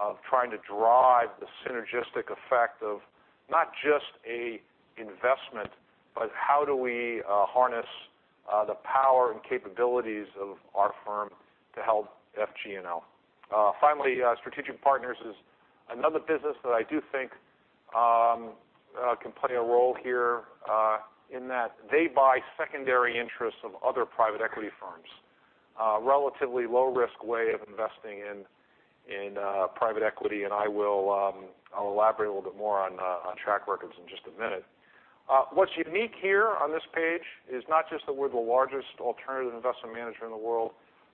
of trying to drive the synergistic effect of not just an investment, but how do we harness the power and capabilities of our firm to help FGL. Finally, Strategic Partners is another business that I do think can play a role here in that they buy secondary interests of other private equity firms. Relatively low-risk way of investing in private equity. I'll elaborate a little bit more on track records in just a minute. What's unique here on this page is not just that we're the largest alternative investment manager in the world,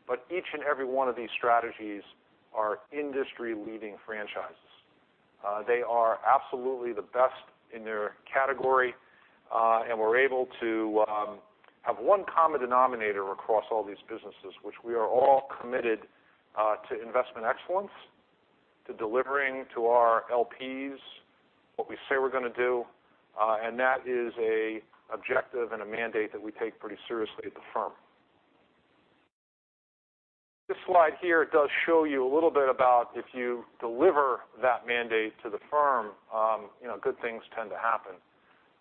but each and every one of these strategies are industry-leading franchises. They are absolutely the best in their category. We're able to have one common denominator across all these businesses, which we are all committed to investment excellence, to delivering to our LPs what we say we're going to do. That is an objective and a mandate that we take pretty seriously at the firm. This slide here does show you a little bit about if you deliver that mandate to the firm, good things tend to happen.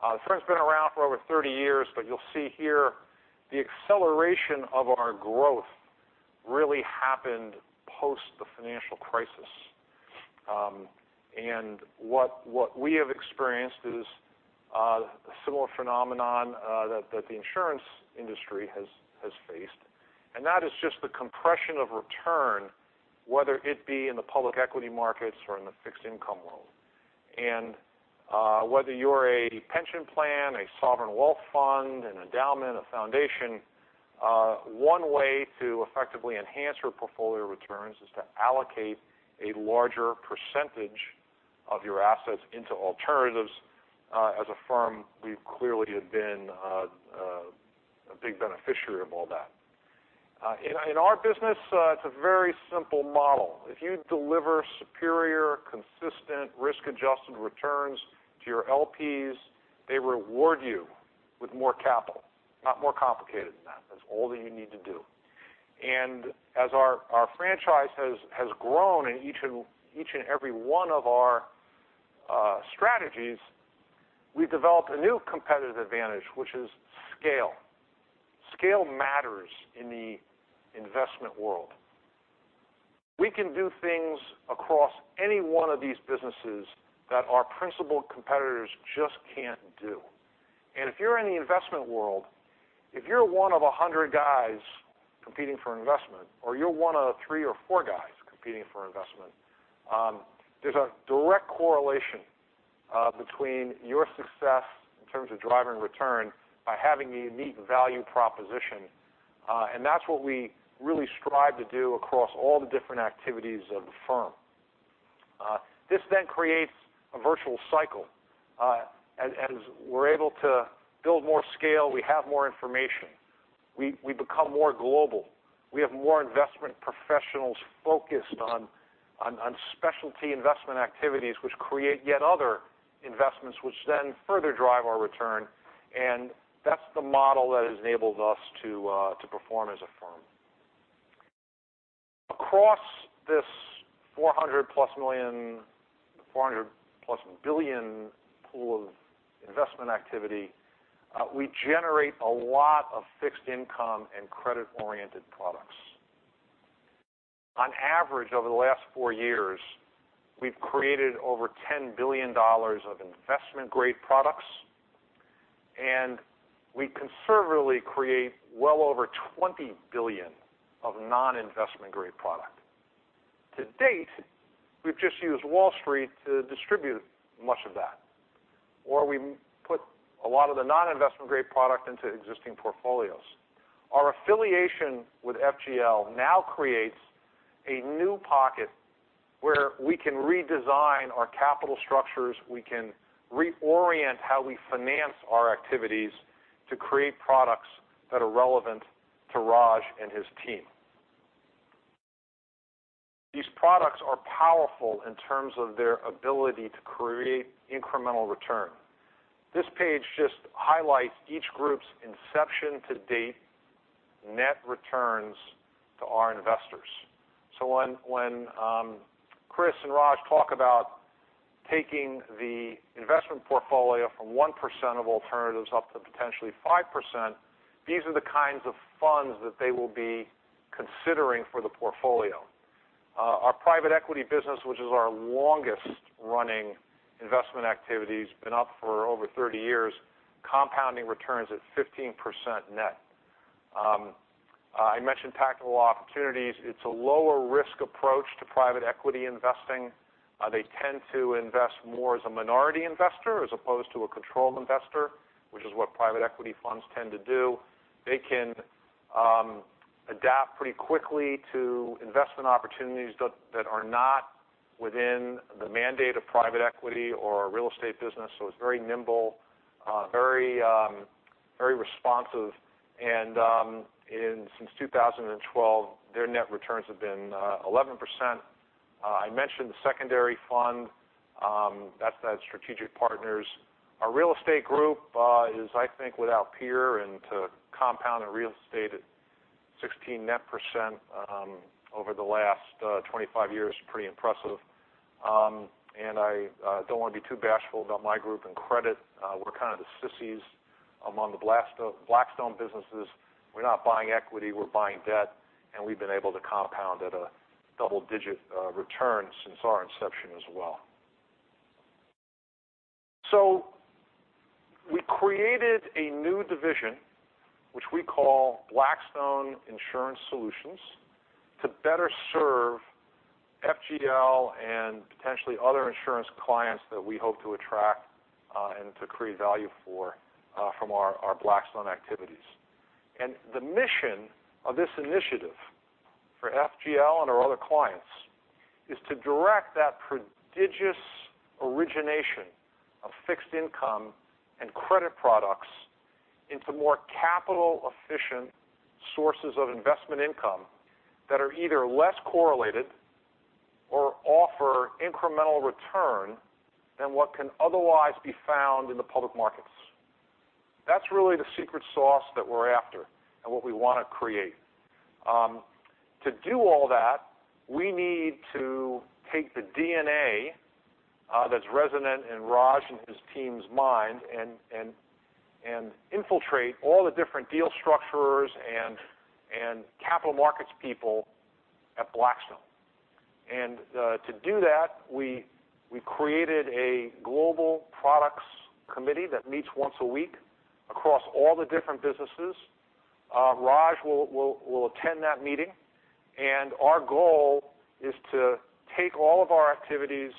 The firm's been around for over 30 years. You'll see here the acceleration of our growth really happened post the financial crisis. What we have experienced is a similar phenomenon that the insurance industry has faced, and that is just the compression of return, whether it be in the public equity markets or in the fixed income world. Whether you're a pension plan, a sovereign wealth fund, an endowment, a foundation, one way to effectively enhance your portfolio returns is to allocate a larger percentage of your assets into alternatives. As a firm, we've clearly have been a big beneficiary of all that. In our business, it's a very simple model. If you deliver superior, consistent risk-adjusted returns to your LPs, they reward you with more capital. Not more complicated than that. That's all that you need to do. As our franchise has grown in each and every one of our strategies, we've developed a new competitive advantage, which is scale. Scale matters in the investment world. We can do things across any one of these businesses that our principal competitors just can't do. If you're in the investment world, if you're one of 100 guys competing for investment, or you're one of three or four guys competing for investment, there's a direct correlation between your success in terms of driving return by having a unique value proposition. That's what we really strive to do across all the different activities of the firm. This creates a virtual cycle. As we're able to build more scale, we have more information. We become more global. We have more investment professionals focused on specialty investment activities, which create yet other investments, which then further drive our return. That's the model that has enabled us to perform as a firm. Across this $400-plus billion pool of investment activity, we generate a lot of fixed income and credit-oriented products. On average, over the last four years, we've created over $10 billion of investment-grade products, and we conservatively create well over $20 billion of non-investment-grade product. To date, we've just used Wall Street to distribute much of that, or we put a lot of the non-investment-grade product into existing portfolios. Our affiliation with FGL now creates a new pocket where we can redesign our capital structures, we can reorient how we finance our activities to create products that are relevant to Raj and his team. These products are powerful in terms of their ability to create incremental return. This page just highlights each group's inception-to-date net returns to our investors. When Chris and Raj talk about taking the investment portfolio from 1% of alternatives up to potentially 5%, these are the kinds of funds that they will be considering for the portfolio. Our private equity business, which is our longest-running investment activity, has been up for over 30 years, compounding returns at 15% net. I mentioned Tactical Opportunities. It's a lower-risk approach to private equity investing. They tend to invest more as a minority investor as opposed to a control investor, which is what private equity funds tend to do. They can adapt pretty quickly to investment opportunities that are not within the mandate of private equity or real estate business. It's very nimble, very responsive. Since 2012, their net returns have been 11%. I mentioned the secondary fund. That's that Strategic Partners. Our real estate group is, I think, without peer and to compound in real estate at 16% net over the last 25 years is pretty impressive. I don't want to be too bashful about my group in credit. We're kind of the sissies among the Blackstone businesses. We're not buying equity, we're buying debt, and we've been able to compound at a double-digit return since our inception as well. We created a new division, which we call Blackstone Insurance Solutions, to better serve FGL and potentially other insurance clients that we hope to attract and to create value for from our Blackstone activities. The mission of this initiative for FGL and our other clients is to direct that prodigious origination of fixed income and credit products into more capital-efficient sources of investment income that are either less correlated or offer incremental return than what can otherwise be found in the public markets. That's really the secret sauce that we're after and what we want to create. To do all that, we need to take the DNA that's resonant in Raj and his team's mind and infiltrate all the different deal structurers and capital markets people at Blackstone. To do that, we created a global products committee that meets once a week across all the different businesses. Raj will attend that meeting, and our goal is to take all of our activities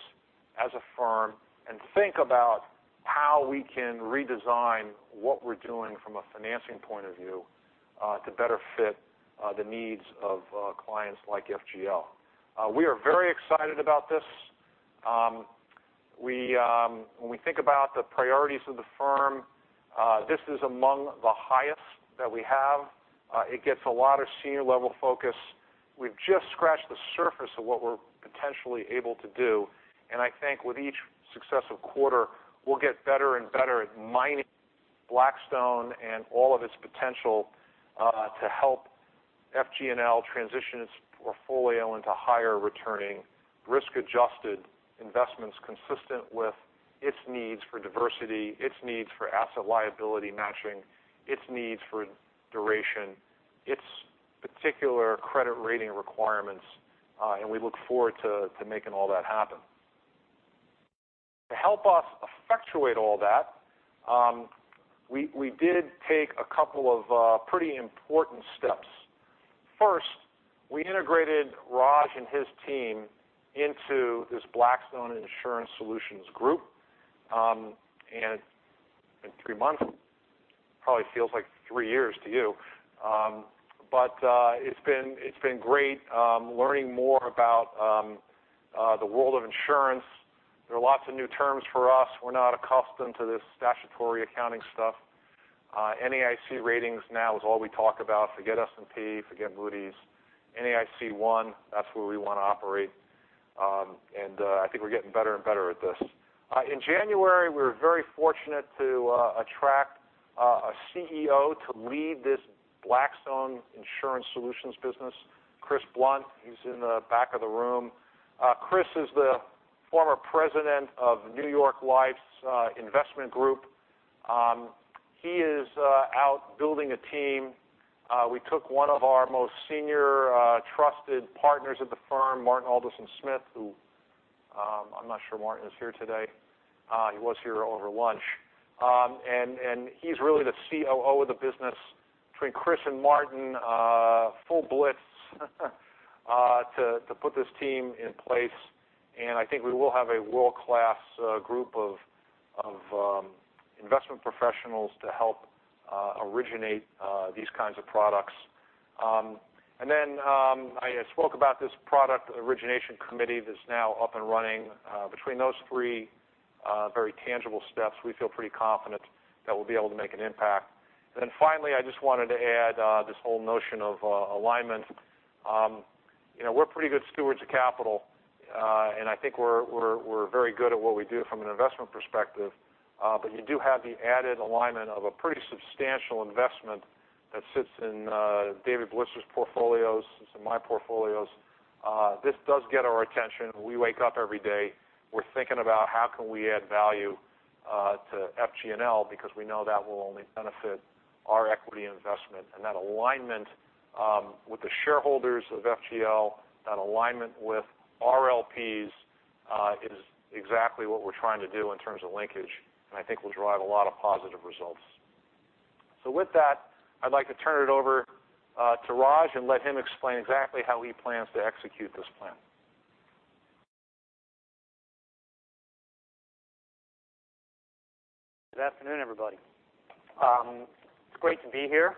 as a firm and think about how we can redesign what we're doing from a financing point of view to better fit the needs of clients like FGL. We are very excited about this. When we think about the priorities of the firm, this is among the highest that we have. It gets a lot of senior-level focus. We've just scratched the surface of what we're potentially able to do, and I think with each successive quarter, we'll get better and better at mining Blackstone and all of its potential to help FG&L transition its portfolio into higher returning risk-adjusted investments consistent with its needs for diversity, its needs for asset liability matching, its needs for duration, its particular credit rating requirements, and we look forward to making all that happen. To help us effectuate all that, we did take a couple of pretty important steps. First, we integrated Raj and his team into this Blackstone Insurance Solutions group. It's been three months, probably feels like three years to you. It's been great learning more about the world of insurance. There are lots of new terms for us. We're not accustomed to this statutory accounting stuff. NAIC ratings now is all we talk about. Forget S&P, forget Moody's. NAIC one, that's where we want to operate. I think we're getting better and better at this. In January, we were very fortunate to attract a CEO to lead this Blackstone Insurance Solutions business, Chris Blunt. He's in the back of the room. Chris is the former president of New York Life's Investment Group. He is out building a team. We took one of our most senior trusted partners at the firm, Martin Alderson-Smith, who I'm not sure Martin is here today. He was here over lunch. He's really the COO of the business. Between Chris and Martin, full blitz to put this team in place. I think we will have a world-class group of investment professionals to help originate these kinds of products. I spoke about this product origination committee that's now up and running. Between those three very tangible steps, we feel pretty confident that we'll be able to make an impact. Finally, I just wanted to add this whole notion of alignment. We're pretty good stewards of capital, and I think we're very good at what we do from an investment perspective. You do have the added alignment of a pretty substantial investment that sits in David Blitzer's portfolios and some of my portfolios. This does get our attention. We wake up every day. We're thinking about how can we add value to FG&L because we know that will only benefit our equity investment. That alignment with the shareholders of FGL, that alignment with RLPs is exactly what we're trying to do in terms of linkage, I think we'll drive a lot of positive results. With that, I'd like to turn it over to Raj and let him explain exactly how he plans to execute this plan. Good afternoon, everybody. It's great to be here.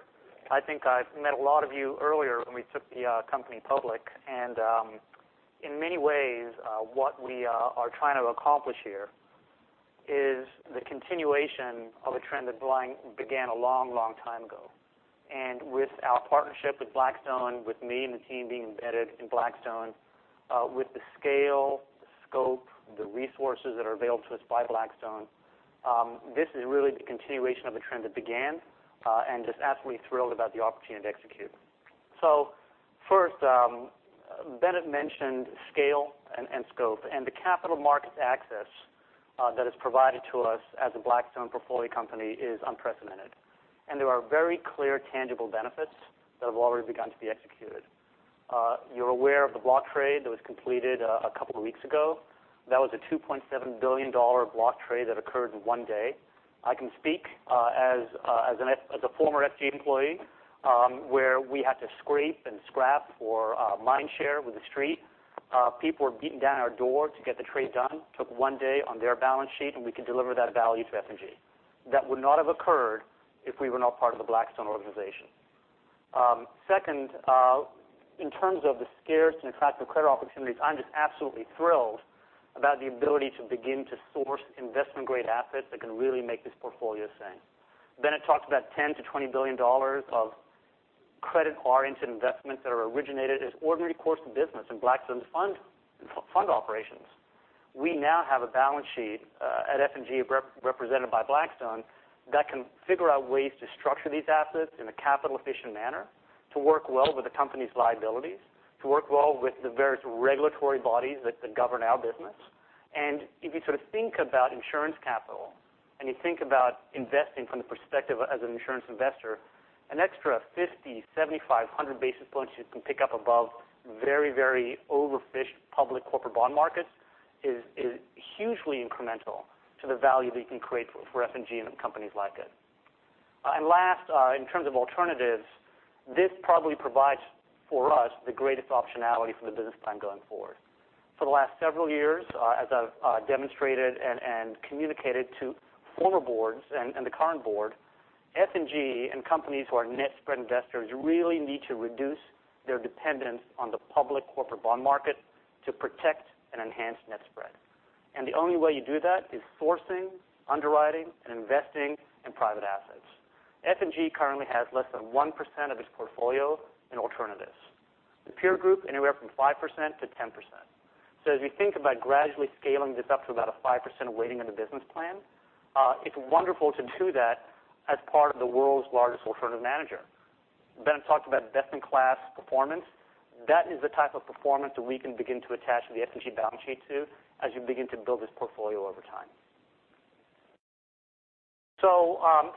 I think I've met a lot of you earlier when we took the company public. In many ways, what we are trying to accomplish here is the continuation of a trend that began a long time ago. With our partnership with Blackstone, with me and the team being embedded in Blackstone, with the scale, the scope, the resources that are available to us by Blackstone, this is really the continuation of a trend that began and just absolutely thrilled about the opportunity to execute. First, Bennett mentioned scale and scope. The capital market access that is provided to us as a Blackstone portfolio company is unprecedented. There are very clear tangible benefits that have already begun to be executed. You're aware of the block trade that was completed a couple of weeks ago. That was a $2.7 billion block trade that occurred in one day. I can speak as a former F&G employee, where we had to scrape and scrap for mind share with the street. People were beating down our door to get the trade done. Took one day on their balance sheet, we could deliver that value to F&G. That would not have occurred if we were not part of the Blackstone organization. Second, in terms of the scarce and attractive credit opportunities, I'm just absolutely thrilled about the ability to begin to source investment-grade assets that can really make this portfolio sing. Bennett talked about $10 billion to $20 billion of credit-oriented investments that are originated as ordinary course of business in Blackstone's fund operations. We now have a balance sheet at F&G represented by Blackstone that can figure out ways to structure these assets in a capital-efficient manner to work well with the company's liabilities, to work well with the various regulatory bodies that govern our business. If you think about insurance capital and you think about investing from the perspective as an insurance investor, an extra 50, 75, 100 basis points you can pick up above very overfished public corporate bond markets is hugely incremental to the value that you can create for F&G and companies like it. Last, in terms of alternatives, this probably provides for us the greatest optionality for the business plan going forward. For the last several years, as I've demonstrated and communicated to former boards and the current board, F&G and companies who are net spread investors really need to reduce their dependence on the public corporate bond market to protect and enhance net spread. The only way you do that is sourcing, underwriting, and investing in private assets. F&G currently has less than 1% of its portfolio in alternatives. The peer group, anywhere from 5% to 10%. As we think about gradually scaling this up to about a 5% weighting in the business plan, it's wonderful to do that as part of the world's largest alternative manager. Ben talked about best-in-class performance. That is the type of performance that we can begin to attach to the F&G balance sheet too, as you begin to build this portfolio over time.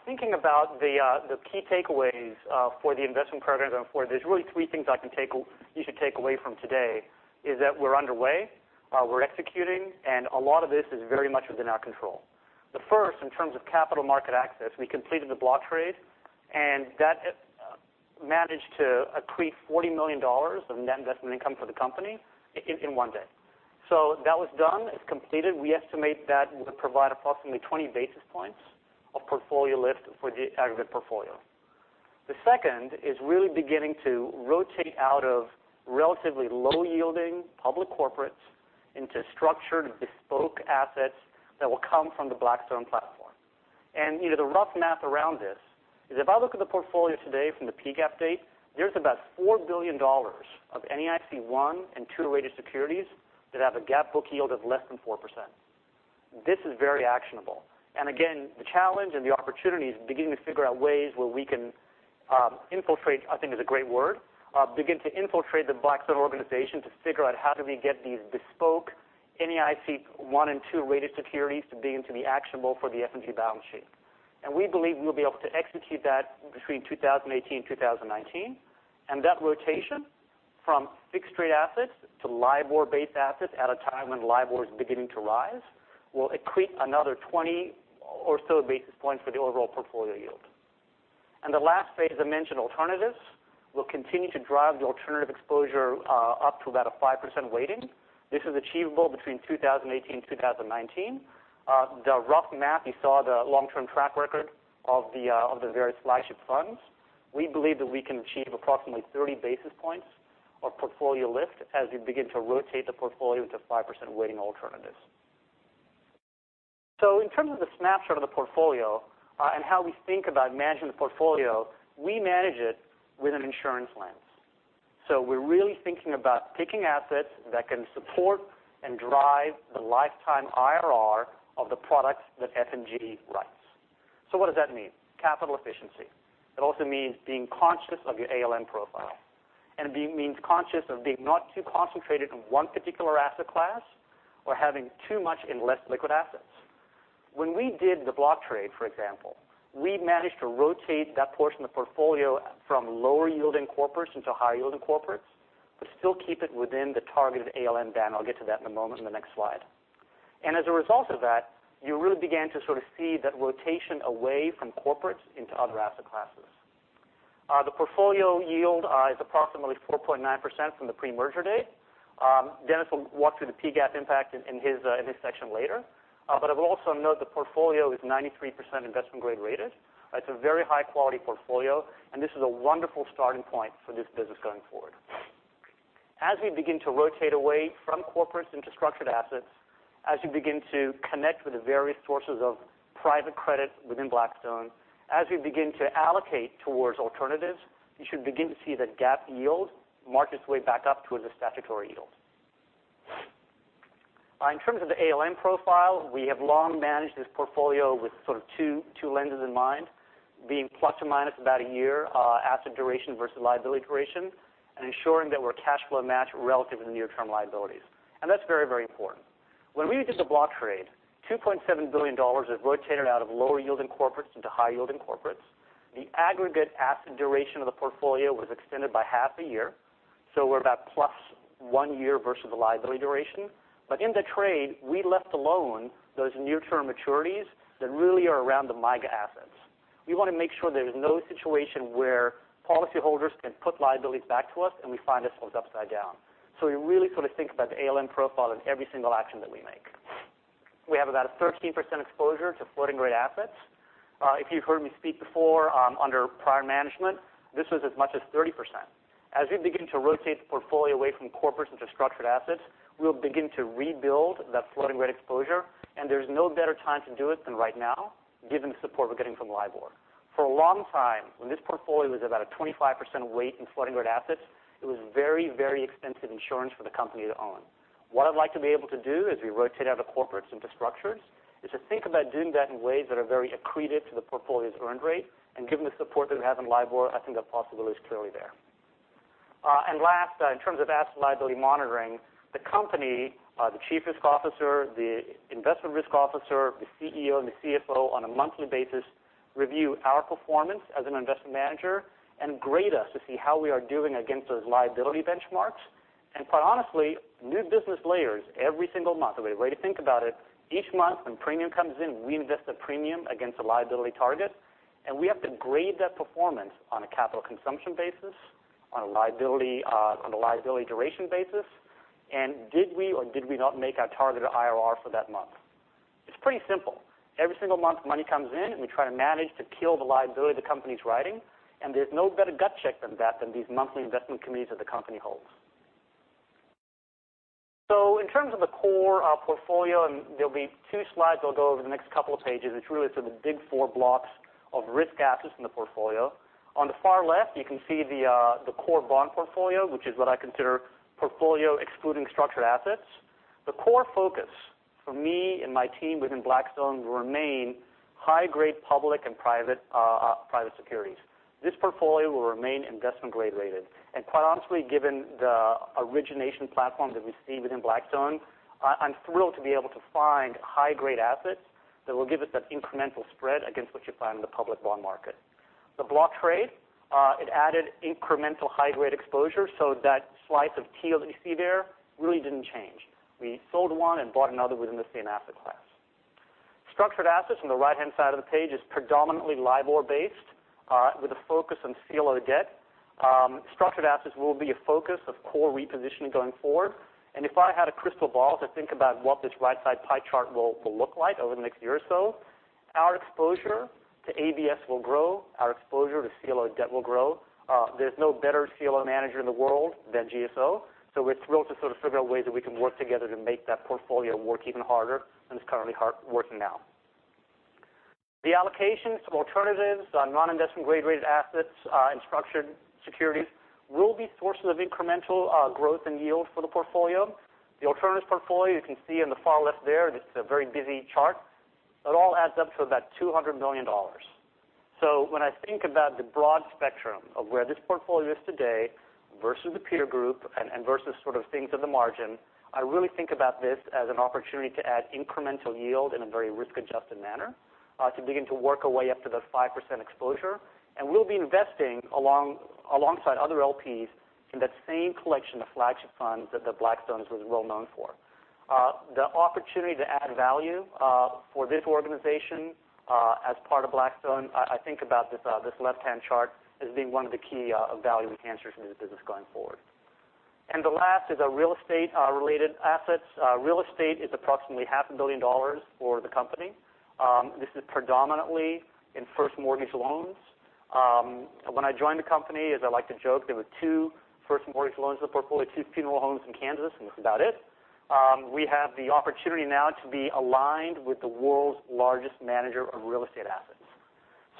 Thinking about the key takeaways for the investment program going forward, there's really three things you should take away from today, is that we're underway, we're executing, and a lot of this is very much within our control. The first, in terms of capital market access, we completed the block trade, that managed to accrete $40 million of net investment income for the company in one day. That was done. It's completed. We estimate that it would provide approximately 20 basis points of portfolio lift for the aggregate portfolio. The second is really beginning to rotate out of relatively low-yielding public corporates into structured bespoke assets that will come from the Blackstone platform. The rough math around this is if I look at the portfolio today from the PGAAP date, there is about $4 billion of NAIC I and II rated securities that have a GAAP book yield of less than 4%. This is very actionable. The challenge and the opportunity is beginning to figure out ways where we can infiltrate, I think is a great word, begin to infiltrate the Blackstone organization to figure out how do we get these bespoke NAIC I and II rated securities to begin to be actionable for the F&G balance sheet. We believe we will be able to execute that between 2018 and 2019. That rotation from fixed-rate assets to LIBOR-based assets at a time when LIBOR is beginning to rise will accrete another 20 or so basis points for the overall portfolio yield. The last phase, as I mentioned, alternatives. We will continue to drive the alternative exposure up to about a 5% weighting. This is achievable between 2018 and 2019. The rough math, you saw the long-term track record of the various flagship funds. We believe that we can achieve approximately 30 basis points of portfolio lift as we begin to rotate the portfolio to 5% weighting alternatives. In terms of the snapshot of the portfolio and how we think about managing the portfolio, we manage it with an insurance lens. We are really thinking about picking assets that can support and drive the lifetime IRR of the products that F&G writes. What does that mean? Capital efficiency. It also means being conscious of your ALM profile. It means conscious of being not too concentrated in one particular asset class or having too much in less liquid assets. When we did the block trade, for example, we managed to rotate that portion of the portfolio from lower yielding corporates into higher yielding corporates, but still keep it within the targeted ALM band. I will get to that in a moment in the next slide. As a result of that, you really began to sort of see that rotation away from corporates into other asset classes. The portfolio yield is approximately 4.9% from the pre-merger date. Dennis will walk through the PGAAP impact in his section later. I will also note the portfolio is 93% investment grade rated. It is a very high-quality portfolio, and this is a wonderful starting point for this business going forward. As we begin to rotate away from corporates into structured assets, as we begin to connect with the various sources of private credit within Blackstone, as we begin to allocate towards alternatives, you should begin to see the GAAP yield mark its way back up towards the statutory yield. In terms of the ALM profile, we have long managed this portfolio with sort of two lenses in mind, being ± a year asset duration versus liability duration and ensuring that we are cash flow match relative to the near-term liabilities. That is very important. When we did the block trade, $2.7 billion is rotated out of lower yielding corporates into higher yielding corporates. The aggregate asset duration of the portfolio was extended by half a year. We are about +1 year versus the liability duration. In the trade, we left alone those near-term maturities that really are around the MYGA assets. We want to make sure there is no situation where policyholders can put liabilities back to us and we find ourselves upside down. We really sort of think about the ALM profile in every single action that we make. We have about a 13% exposure to floating rate assets. If you've heard me speak before under prior management, this was as much as 30%. As we begin to rotate the portfolio away from corporates into structured assets, we'll begin to rebuild that floating rate exposure, and there's no better time to do it than right now, given the support we're getting from LIBOR. For a long time, when this portfolio was about a 25% weight in floating rate assets, it was very expensive insurance for the company to own. What I'd like to be able to do as we rotate out of corporates into structures is to think about doing that in ways that are very accretive to the portfolio's earned rate, given the support that we have in LIBOR, I think that possibility is clearly there. Last, in terms of asset liability monitoring, the company, the Chief Risk Officer, the Investment Risk Officer, the CEO, and the CFO on a monthly basis review our performance as an investment manager and grade us to see how we are doing against those liability benchmarks. Quite honestly, new business layers every single month. A way to think about it, each month when premium comes in, we invest the premium against a liability target, we have to grade that performance on a capital consumption basis, on a liability duration basis, and did we or did we not make our targeted IRR for that month? It's pretty simple. Every single month money comes in, we try to manage to kill the liability the company's writing, there's no better gut check than that than these monthly investment committees that the company holds. In terms of the core portfolio, and there'll be two slides I'll go over the next couple of pages. It's really sort of the big four blocks of risk assets in the portfolio. On the far left, you can see the core bond portfolio, which is what I consider portfolio excluding structured assets. The core focus for me and my team within Blackstone will remain high-grade public and private securities. This portfolio will remain investment-grade rated. Quite honestly, given the origination platform that we see within Blackstone, I'm thrilled to be able to find high-grade assets that will give us that incremental spread against what you find in the public bond market. The block trade, it added incremental high-grade exposure. That slice of teal that you see there really didn't change. We sold one and bought another within the same asset class. Structured assets on the right-hand side of the page is predominantly LIBOR-based with a focus on CLO debt. Structured assets will be a focus of core repositioning going forward. If I had a crystal ball to think about what this right-side pie chart will look like over the next year or so, our exposure to ABS will grow. Our exposure to CLO debt will grow. There's no better CLO manager in the world than GSO, so we're thrilled to sort of figure out ways that we can work together to make that portfolio work even harder than it's currently working now. The allocations to alternatives on non-investment grade-rated assets and structured securities will be sources of incremental growth and yield for the portfolio. The alternatives portfolio you can see on the far left there, and it's a very busy chart. It all adds up to about $200 million. When I think about the broad spectrum of where this portfolio is today versus the peer group and versus sort of things at the margin, I really think about this as an opportunity to add incremental yield in a very risk-adjusted manner to begin to work our way up to the 5% exposure. We'll be investing alongside other LPs in that same collection of flagship funds that Blackstone is well known for. The opportunity to add value for this organization as part of Blackstone, I think about this left-hand chart as being one of the key value enhancers in the business going forward. The last is our real estate-related assets. Real estate is approximately half a billion dollars for the company. This is predominantly in first mortgage loans. When I joined the company, as I like to joke, there were two first mortgage loans in the portfolio, two funeral homes in Kansas, and that's about it. We have the opportunity now to be aligned with the world's largest manager of real estate assets.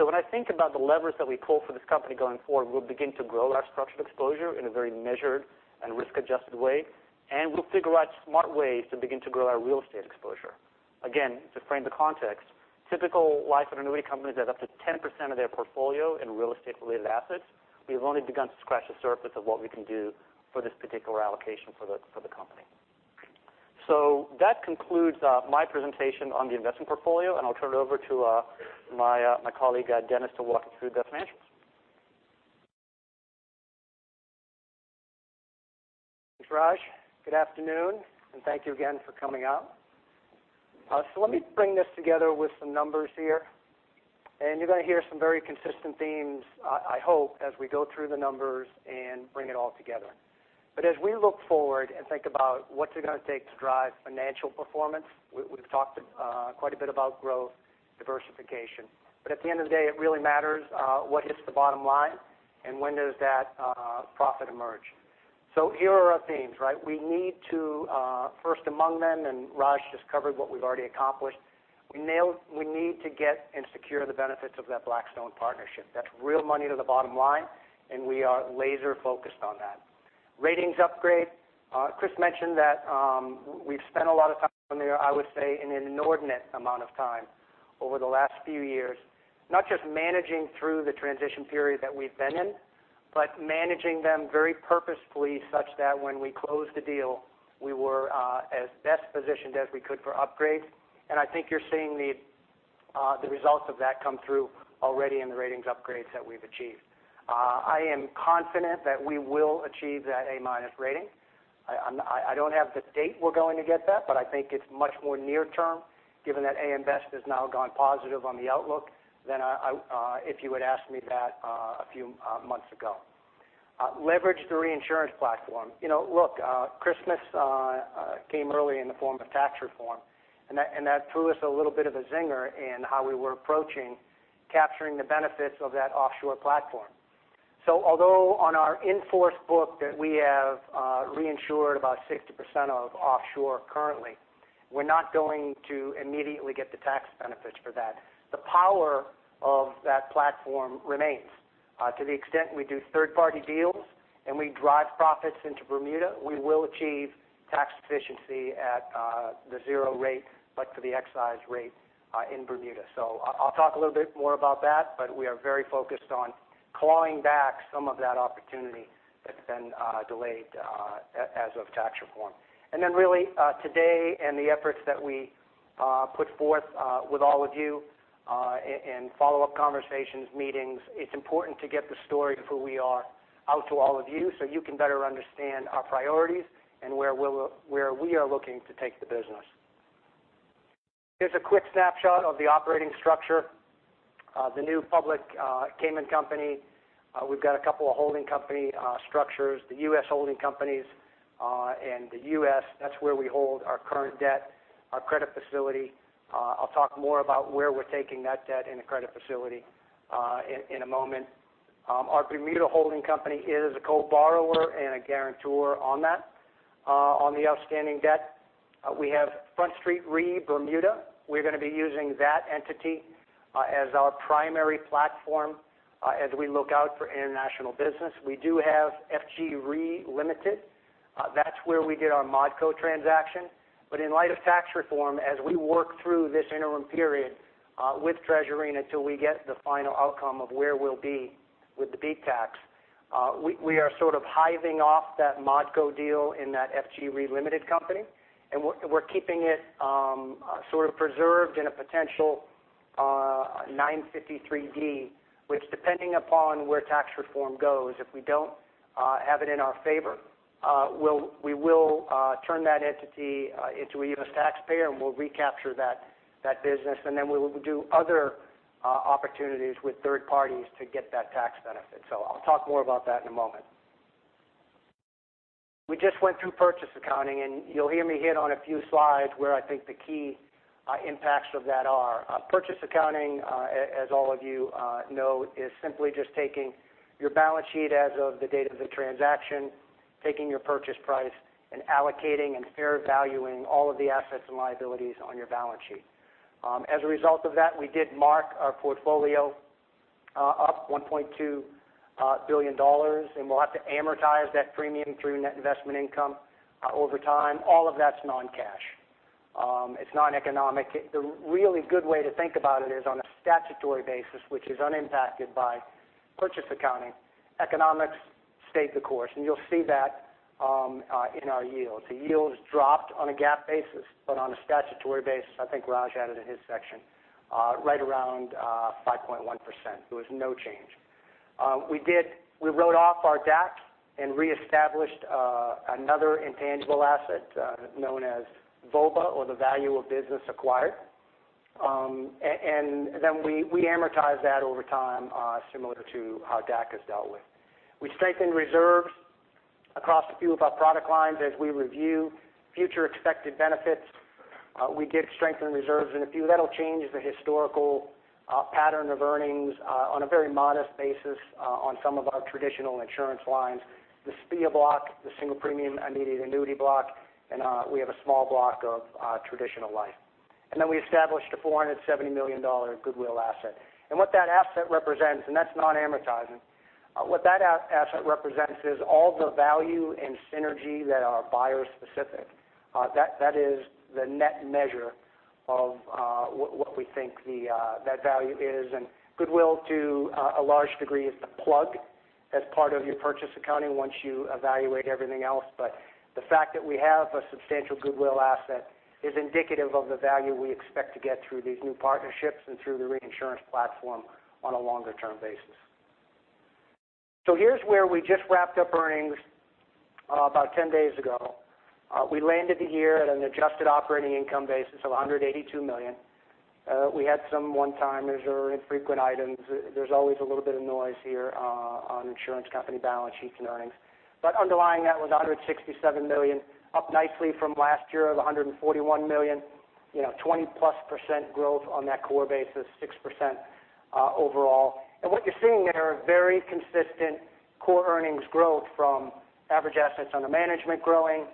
When I think about the levers that we pull for this company going forward, we'll begin to grow our structured exposure in a very measured and risk-adjusted way, and we'll figure out smart ways to begin to grow our real estate exposure. Again, to frame the context, typical life and annuity companies have up to 10% of their portfolio in real estate-related assets. We've only begun to scratch the surface of what we can do for this particular allocation for the company. That concludes my presentation on the investment portfolio, and I'll turn it over to my colleague, Dennis, to walk us through the financials. Thanks, Raj. Good afternoon, and thank you again for coming out. Let me bring this together with some numbers here. You're going to hear some very consistent themes, I hope, as we go through the numbers and bring it all together. As we look forward and think about what's it going to take to drive financial performance, we've talked quite a bit about growth, diversification. At the end of the day, it really matters what hits the bottom line and when does that profit emerge. Here are our themes. We need to, first among them, and Raj just covered what we've already accomplished. We need to get and secure the benefits of that Blackstone partnership. That's real money to the bottom line, and we are laser-focused on that. Ratings upgrade. Chris mentioned that we've spent a lot of time there, I would say in an inordinate amount of time over the last few years, not just managing through the transition period that we've been in, but managing them very purposefully such that when we closed the deal, we were as best positioned as we could for upgrades. I think you're seeing the results of that come through already in the ratings upgrades that we've achieved. I am confident that we will achieve that A-minus rating. I don't have the date we're going to get that, but I think it's much more near-term given that AM Best has now gone positive on the outlook than if you had asked me that a few months ago. Leverage the reinsurance platform. Look, Christmas came early in the form of tax reform, that threw us a little bit of a zinger in how we were approaching capturing the benefits of that offshore platform. Although on our in-force book that we have reinsured about 60% of offshore currently, we're not going to immediately get the tax benefits for that. The power of that platform remains. To the extent we do third-party deals and we drive profits into Bermuda, we will achieve tax efficiency at the zero rate, but for the excise rate in Bermuda. I'll talk a little bit more about that, but we are very focused on clawing back some of that opportunity that's been delayed as of tax reform. Really, today and the efforts that we put forth with all of you in follow-up conversations, meetings, it's important to get the story of who we are out to all of you so you can better understand our priorities and where we are looking to take the business. Here's a quick snapshot of the operating structure. The new public Cayman company, we've got a couple of holding company structures. The U.S. holding companies in the U.S., that's where we hold our current debt, our credit facility. I'll talk more about where we're taking that debt and the credit facility in a moment. Our Bermuda holding company is a co-borrower and a guarantor on that, on the outstanding debt. We have Front Street Re Bermuda. We're going to be using that entity as our primary platform as we look out for international business. We do have FG Re Limited. That's where we did our ModCo transaction. In light of tax reform, as we work through this interim period with Treasury until we get the final outcome of where we'll be with the BEAT tax, we are sort of hiving off that ModCo deal in that FG Re Limited company. We're keeping it sort of preserved in a potential 953, which depending upon where tax reform goes, if we don't have it in our favor, we will turn that entity into a U.S. taxpayer, we'll recapture that business, then we will do other opportunities with third parties to get that tax benefit. I'll talk more about that in a moment. We just went through purchase accounting, you'll hear me hit on a few slides where I think the key impacts of that are. Purchase accounting, as all of you know, is simply just taking your balance sheet as of the date of the transaction, taking your purchase price, and allocating and fair valuing all of the assets and liabilities on your balance sheet. As a result of that, we did mark our portfolio up $1.2 billion, and we'll have to amortize that premium through net investment income over time. All of that's non-cash. It's non-economic. The really good way to think about it is on a statutory basis, which is unimpacted by purchase accounting, economics stayed the course, and you'll see that in our yields. The yields dropped on a GAAP basis, but on a statutory basis, I think Raj had it in his section, right around 5.1%. There was no change. We wrote off our DAC and reestablished another intangible asset known as VOBA, or the value of business acquired. We amortize that over time, similar to how DAC is dealt with. We strengthened reserves across a few of our product lines as we review future expected benefits. We did strengthen reserves in a few. That'll change the historical pattern of earnings on a very modest basis on some of our traditional insurance lines, the SPIA block, the single premium immediate annuity block, and we have a small block of traditional life. We established a $470 million goodwill asset. What that asset represents, and that's non-amortizing. What that asset represents is all the value and synergy that are buyer specific. That is the net measure of what we think that value is. Goodwill, to a large degree, is the plug as part of your purchase accounting once you evaluate everything else. The fact that we have a substantial goodwill asset is indicative of the value we expect to get through these new partnerships and through the reinsurance platform on a longer-term basis. Here's where we just wrapped up earnings about 10 days ago. We landed the year at an adjusted operating income basis of $182 million. We had some one-timers or infrequent items. There's always a little bit of noise here on insurance company balance sheets and earnings. Underlying that was $167 million, up nicely from last year of $141 million, 20-plus % growth on that core basis, 6% overall. What you're seeing there, very consistent core earnings growth from average assets under management growing,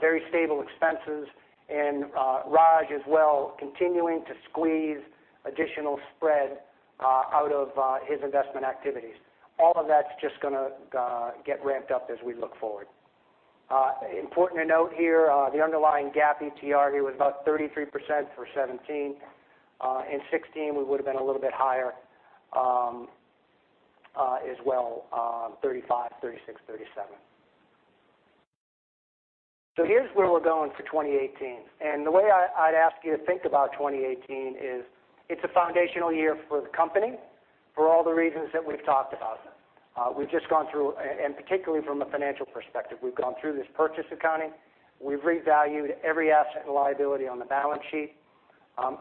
very stable expenses, and Raj as well continuing to squeeze additional spread out of his investment activities. All of that's just going to get ramped up as we look forward. Important to note here, the underlying GAAP ETR here was about 33% for 2017. In 2016, we would've been a little bit higher as well, 35%, 36%, 37%. Here's where we're going for 2018. The way I'd ask you to think about 2018 is it's a foundational year for the company for all the reasons that we've talked about. We've just gone through, and particularly from a financial perspective, we've gone through this purchase accounting. We've revalued every asset and liability on the balance sheet.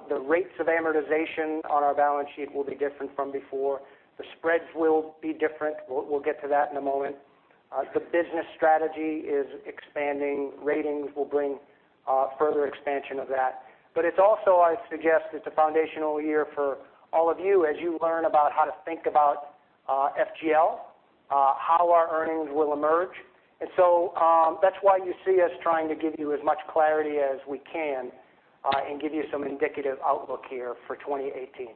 The rates of amortization on our balance sheet will be different from before. The spreads will be different. We'll get to that in a moment. The business strategy is expanding. Ratings will bring further expansion of that. It's also, I suggest, it's a foundational year for all of you as you learn about how to think about FGL, how our earnings will emerge. That's why you see us trying to give you as much clarity as we can and give you some indicative outlook here for 2018.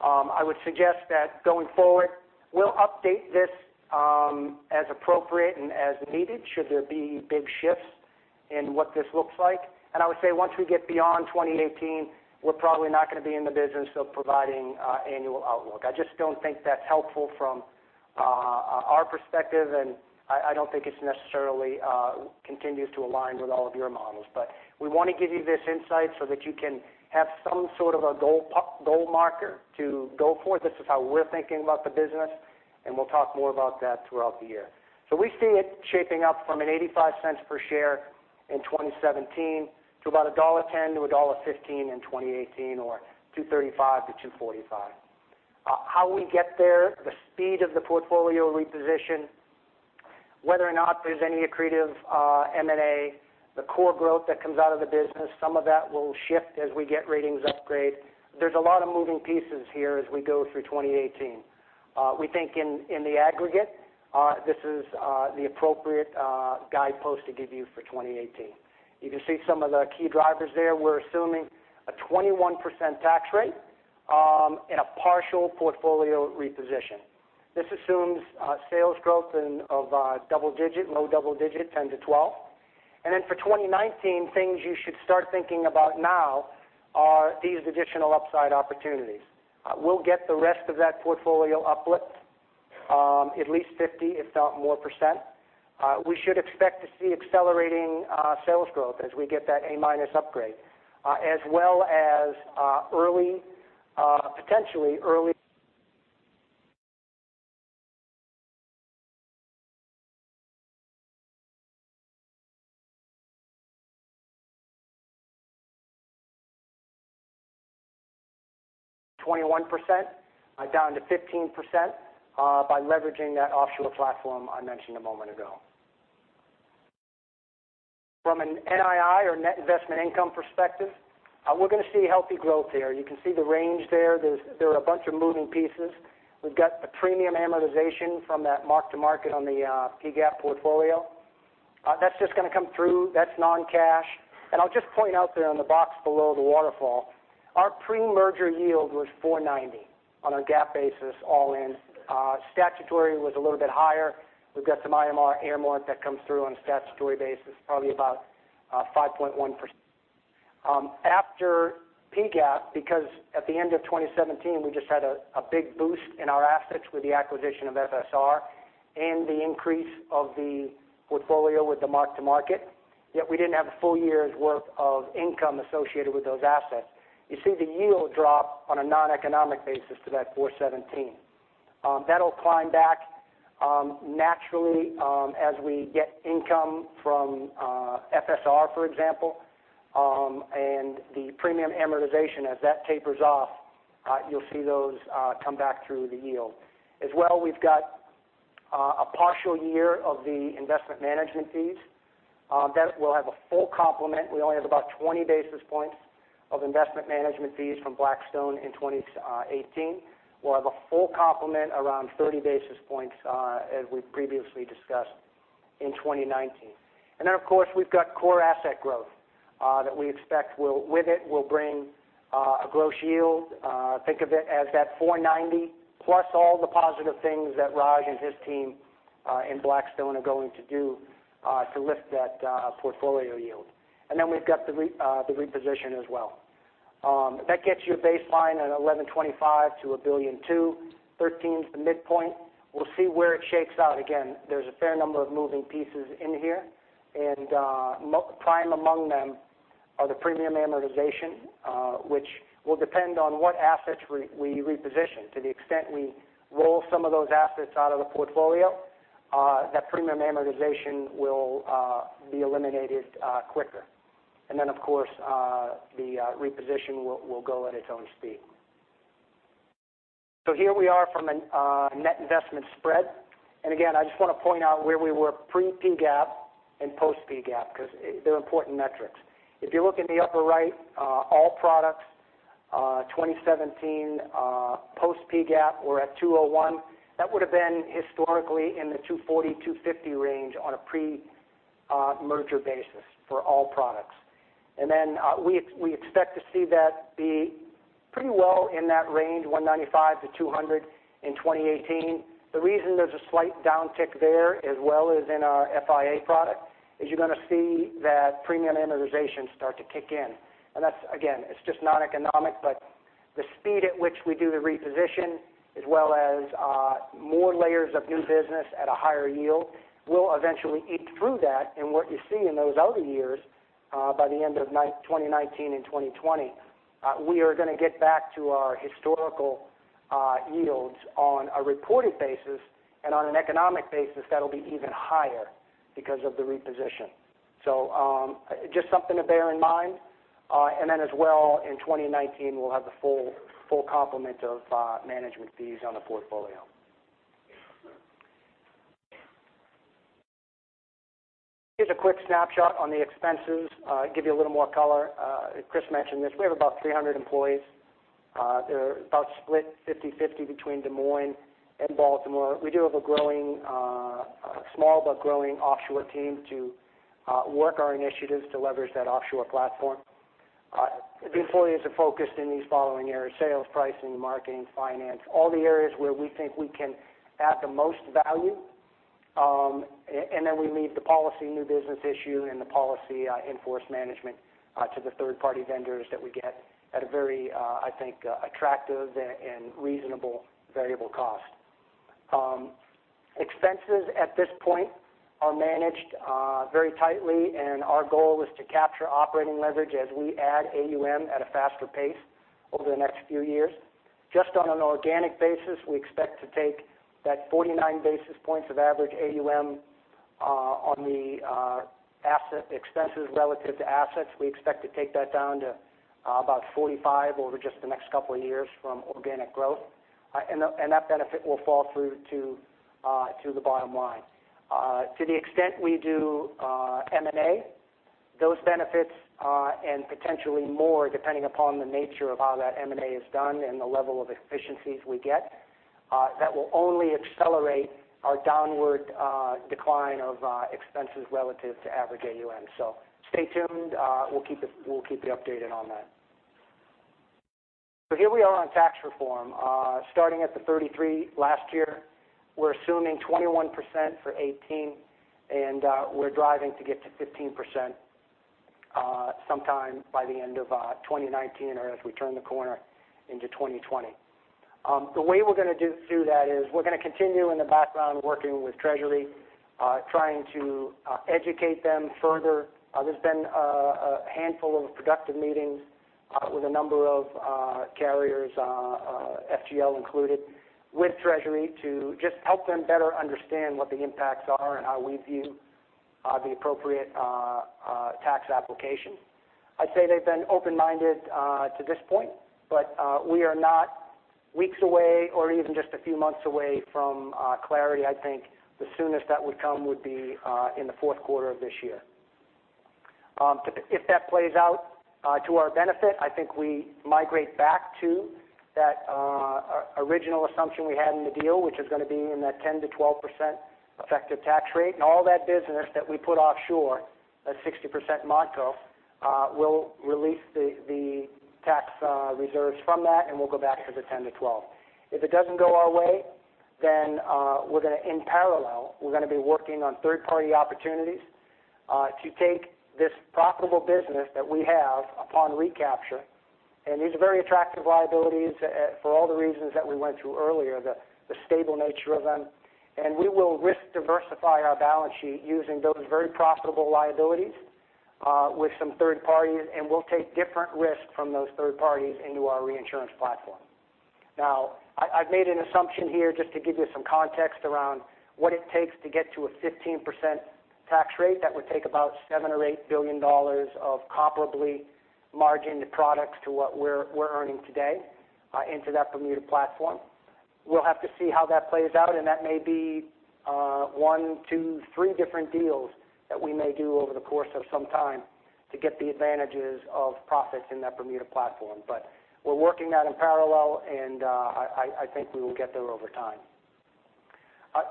I would suggest that going forward, we'll update this as appropriate and as needed should there be big shifts in what this looks like. I would say once we get beyond 2018, we're probably not going to be in the business of providing annual outlook. I just don't think that's helpful from our perspective, and I don't think it necessarily continues to align with all of your models. We want to give you this insight so that you can have some sort of a goal marker to go for. This is how we're thinking about the business, and we'll talk more about that throughout the year. We see it shaping up from a $0.85 per share in 2017 to about $1.10-$1.15 in 2018 or $235 million-$245 million. How we get there, the speed of the portfolio reposition, whether or not there's any accretive M&A, the core growth that comes out of the business. Some of that will shift as we get ratings upgrade. There's a lot of moving pieces here as we go through 2018. We think in the aggregate this is the appropriate guidepost to give you for 2018. You can see some of the key drivers there. We're assuming a 21% tax rate in a partial portfolio reposition. This assumes sales growth of low double-digit, 10%-12%. For 2019, things you should start thinking about now are these additional upside opportunities. We'll get the rest of that portfolio uplift at least 50%, if not more percent. We should expect to see accelerating sales growth as we get that A-minus upgrade. As well as potentially early 21% down to 15% by leveraging that offshore platform I mentioned a moment ago. From an NII or net investment income perspective, we're going to see healthy growth here. You can see the range there. There are a bunch of moving pieces. We've got a premium amortization from that mark-to-market on the PGAAP portfolio. That's just going to come through. That's non-cash. I'll just point out there on the box below the waterfall, our pre-merger yield was 490 basis points on our GAAP basis all-in. Statutory was a little bit higher. We've got some IMR amort that comes through on a statutory basis, probably about 5.1%. After PGAAP, because at the end of 2017 we just had a big boost in our assets with the acquisition of FSR and the increase of the portfolio with the mark-to-market, yet we didn't have a full year's worth of income associated with those assets. You see the yield drop on a non-economic basis to that 417 basis points. That'll climb back naturally as we get income from FSR, for example, and the premium amortization. As that tapers off, you'll see those come back through the yield. We've got a partial year of the investment management fees. That will have a full complement. We only have about 20 basis points of investment management fees from Blackstone in 2018. We'll have a full complement around 30 basis points as we previously discussed in 2019. Of course we've got core asset growth that we expect with it will bring a gross yield. Think of it as that 490 plus all the positive things that Raj and his team in Blackstone are going to do to lift that portfolio yield. We've got the reposition as well. That gets you a baseline at 112.5 basis points to 113.2 basis points. 113 basis points is the midpoint. We'll see where it shakes out. There's a fair number of moving pieces in here. Prime among them are the premium amortization, which will depend on what assets we reposition. To the extent we roll some of those assets out of the portfolio, that premium amortization will be eliminated quicker. Of course the reposition will go at its own speed. Here we are from a net investment spread. I just want to point out where we were pre-PGAAP and post-PGAAP because they're important metrics. If you look in the upper right, all products 2017 post PGAAP were at 201. That would have been historically in the 240, 250 range on a pre-merger basis for all products. We expect to see that be pretty well in that range, 195 to 200 in 2018. The reason there's a slight downtick there as well as in our FIA product is you're going to see that premium amortization start to kick in. That's, again, it's just non-economic. The speed at which we do the reposition as well as more layers of new business at a higher yield will eventually eat through that. What you see in those other years by the end of 2019 and 2020, we are going to get back to our historical yields on a reported basis. On an economic basis that'll be even higher because of the reposition. Just something to bear in mind. As well, in 2019 we'll have the full complement of management fees on the portfolio. Here's a quick snapshot on the expenses, give you a little more color. Chris mentioned this. We have about 300 employees. They're about split 50/50 between Des Moines and Baltimore. We do have a small but growing offshore team to work our initiatives to leverage that offshore platform. The employees are focused in these following areas, sales, pricing, marketing, finance, all the areas where we think we can add the most value. We leave the policy, new business issue, and the policy enforce management to the third-party vendors that we get at a very, I think, attractive and reasonable variable cost. Expenses at this point are managed very tightly, and our goal is to capture operating leverage as we add AUM at a faster pace over the next few years. Just on an organic basis, we expect to take that 49 basis points of average AUM on the asset expenses relative to assets. We expect to take that down to about 45 over just the next couple of years from organic growth. That benefit will fall through to the bottom line. To the extent we do M&A, those benefits, and potentially more, depending upon the nature of how that M&A is done and the level of efficiencies we get, that will only accelerate our downward decline of expenses relative to average AUM. Stay tuned, we'll keep you updated on that. Here we are on tax reform. Starting at the 33% last year, we're assuming 21% for 2018, and we're driving to get to 15% sometime by the end of 2019 or as we turn the corner into 2020. The way we're going to do that is we're going to continue in the background working with Treasury, trying to educate them further. There's been a handful of productive meetings with a number of carriers, FGL included, with Treasury to just help them better understand what the impacts are and how we view the appropriate tax application. I'd say they've been open-minded to this point, we are not weeks away or even just a few months away from clarity. I think the soonest that would come would be in the fourth quarter of this year. If that plays out to our benefit, I think we migrate back to that original assumption we had in the deal, which is going to be in that 10%-12% effective tax rate. All that business that we put offshore, that 60% ModCo, will release the tax reserves from that, and we'll go back to the 10%-12%. If it doesn't go our way, then in parallel, we're going to be working on third-party opportunities to take this profitable business that we have upon recapture. These are very attractive liabilities for all the reasons that we went through earlier, the stable nature of them. We will risk diversify our balance sheet using those very profitable liabilities with some third parties, and we'll take different risks from those third parties into our reinsurance platform. I've made an assumption here just to give you some context around what it takes to get to a 15% tax rate. That would take about $7 billion or $8 billion of comparably margined products to what we're earning today into that Bermuda platform. We'll have to see how that plays out, and that may be one, two, three different deals that we may do over the course of some time to get the advantages of profits in that Bermuda platform. We're working that in parallel, and I think we will get there over time.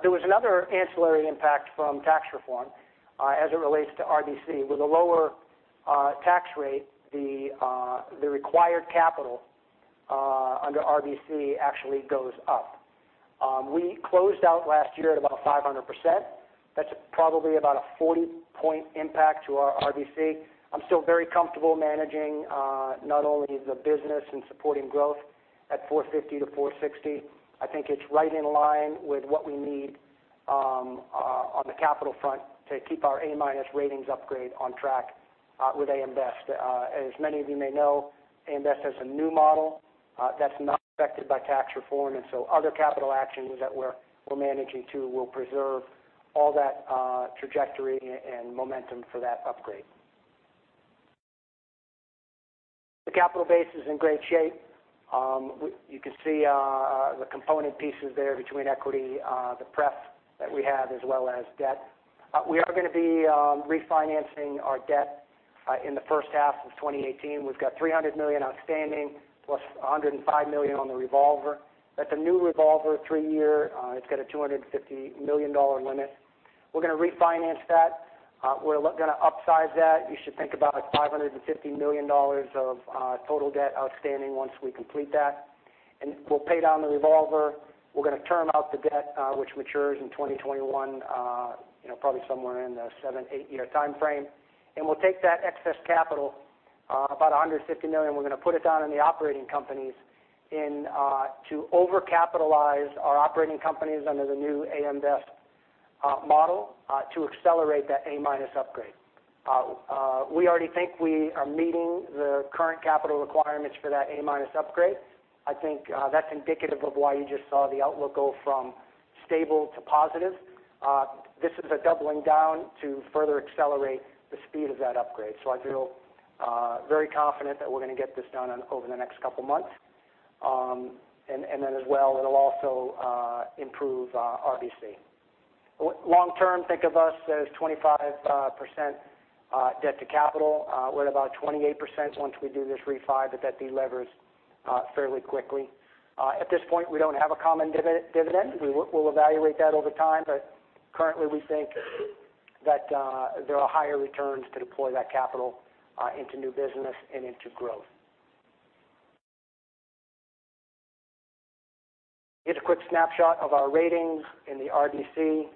There was another ancillary impact from tax reform as it relates to RBC. With a lower tax rate, the required capital under RBC actually goes up. We closed out last year at about 500%. That's probably about a 40-point impact to our RBC. I'm still very comfortable managing not only the business and supporting growth at 450%-460%. I think it's right in line with what we need on the capital front to keep our A- ratings upgrade on track with AM Best. As many of you may know, AM Best has a new model that's not affected by tax reform, other capital actions that we're managing to will preserve all that trajectory and momentum for that upgrade. The capital base is in great shape. You can see the component pieces there between equity, the pref that we have, as well as debt. We are going to be refinancing our debt in the first half of 2018. We've got $300 million outstanding, plus $105 million on the revolver. That's a new revolver, three-year. It's got a $250 million limit. We're going to refinance that. We're going to upsize that. You should think about $550 million of total debt outstanding once we complete that. We'll pay down the revolver. We're going to term out the debt, which matures in 2021, probably somewhere in the seven, eight-year time frame. We'll take that excess capital, about $150 million, we're going to put it down in the operating companies to overcapitalize our operating companies under the new AM Best model to accelerate that A-minus upgrade. We already think we are meeting the current capital requirements for that A-minus upgrade. I think that's indicative of why you just saw the outlook go from stable to positive. This is a doubling down to further accelerate the speed of that upgrade. I feel very confident that we're going to get this done over the next couple of months. As well, it'll also improve RBC. Long term, think of us as 25% debt to capital. We're at about 28% once we do this refi, but that de-levers fairly quickly. At this point, we don't have a common dividend. We'll evaluate that over time. Currently we think that there are higher returns to deploy that capital into new business and into growth. Here's a quick snapshot of our ratings in the RBC.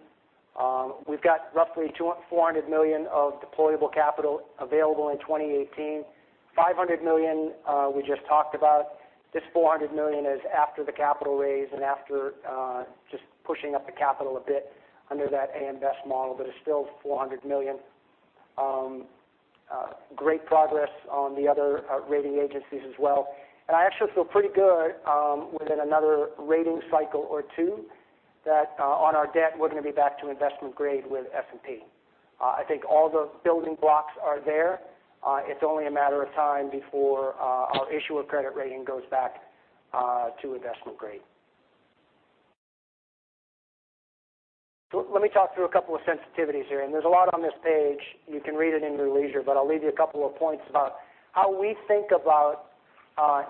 We've got roughly $400 million of deployable capital available in 2018. $500 million we just talked about. This $400 million is after the capital raise and after just pushing up the capital a bit under that AM Best model, it's still $400 million. Great progress on the other rating agencies as well. I actually feel pretty good within another rating cycle or two that on our debt, we're going to be back to investment grade with S&P. I think all the building blocks are there. It's only a matter of time before our issuer credit rating goes back to investment grade. Let me talk through a couple of sensitivities here, there's a lot on this page. You can read it in your leisure, I'll leave you a couple of points about how we think about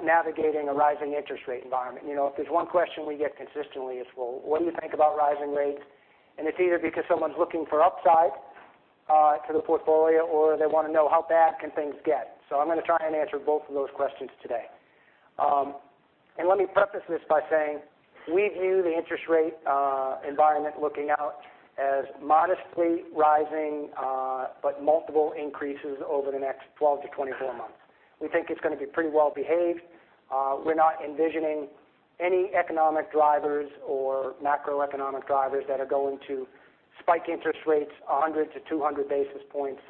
navigating a rising interest rate environment. If there's one question we get consistently, it's, well, what do you think about rising rates? It's either because someone's looking for upside to the portfolio or they want to know how bad can things get. I'm going to try and answer both of those questions today. Let me preface this by saying, we view the interest rate environment looking out as modestly rising but multiple increases over the next 12 to 24 months. We think it's going to be pretty well-behaved. We're not envisioning any economic drivers or macroeconomic drivers that are going to spike interest rates 100 to 200 basis points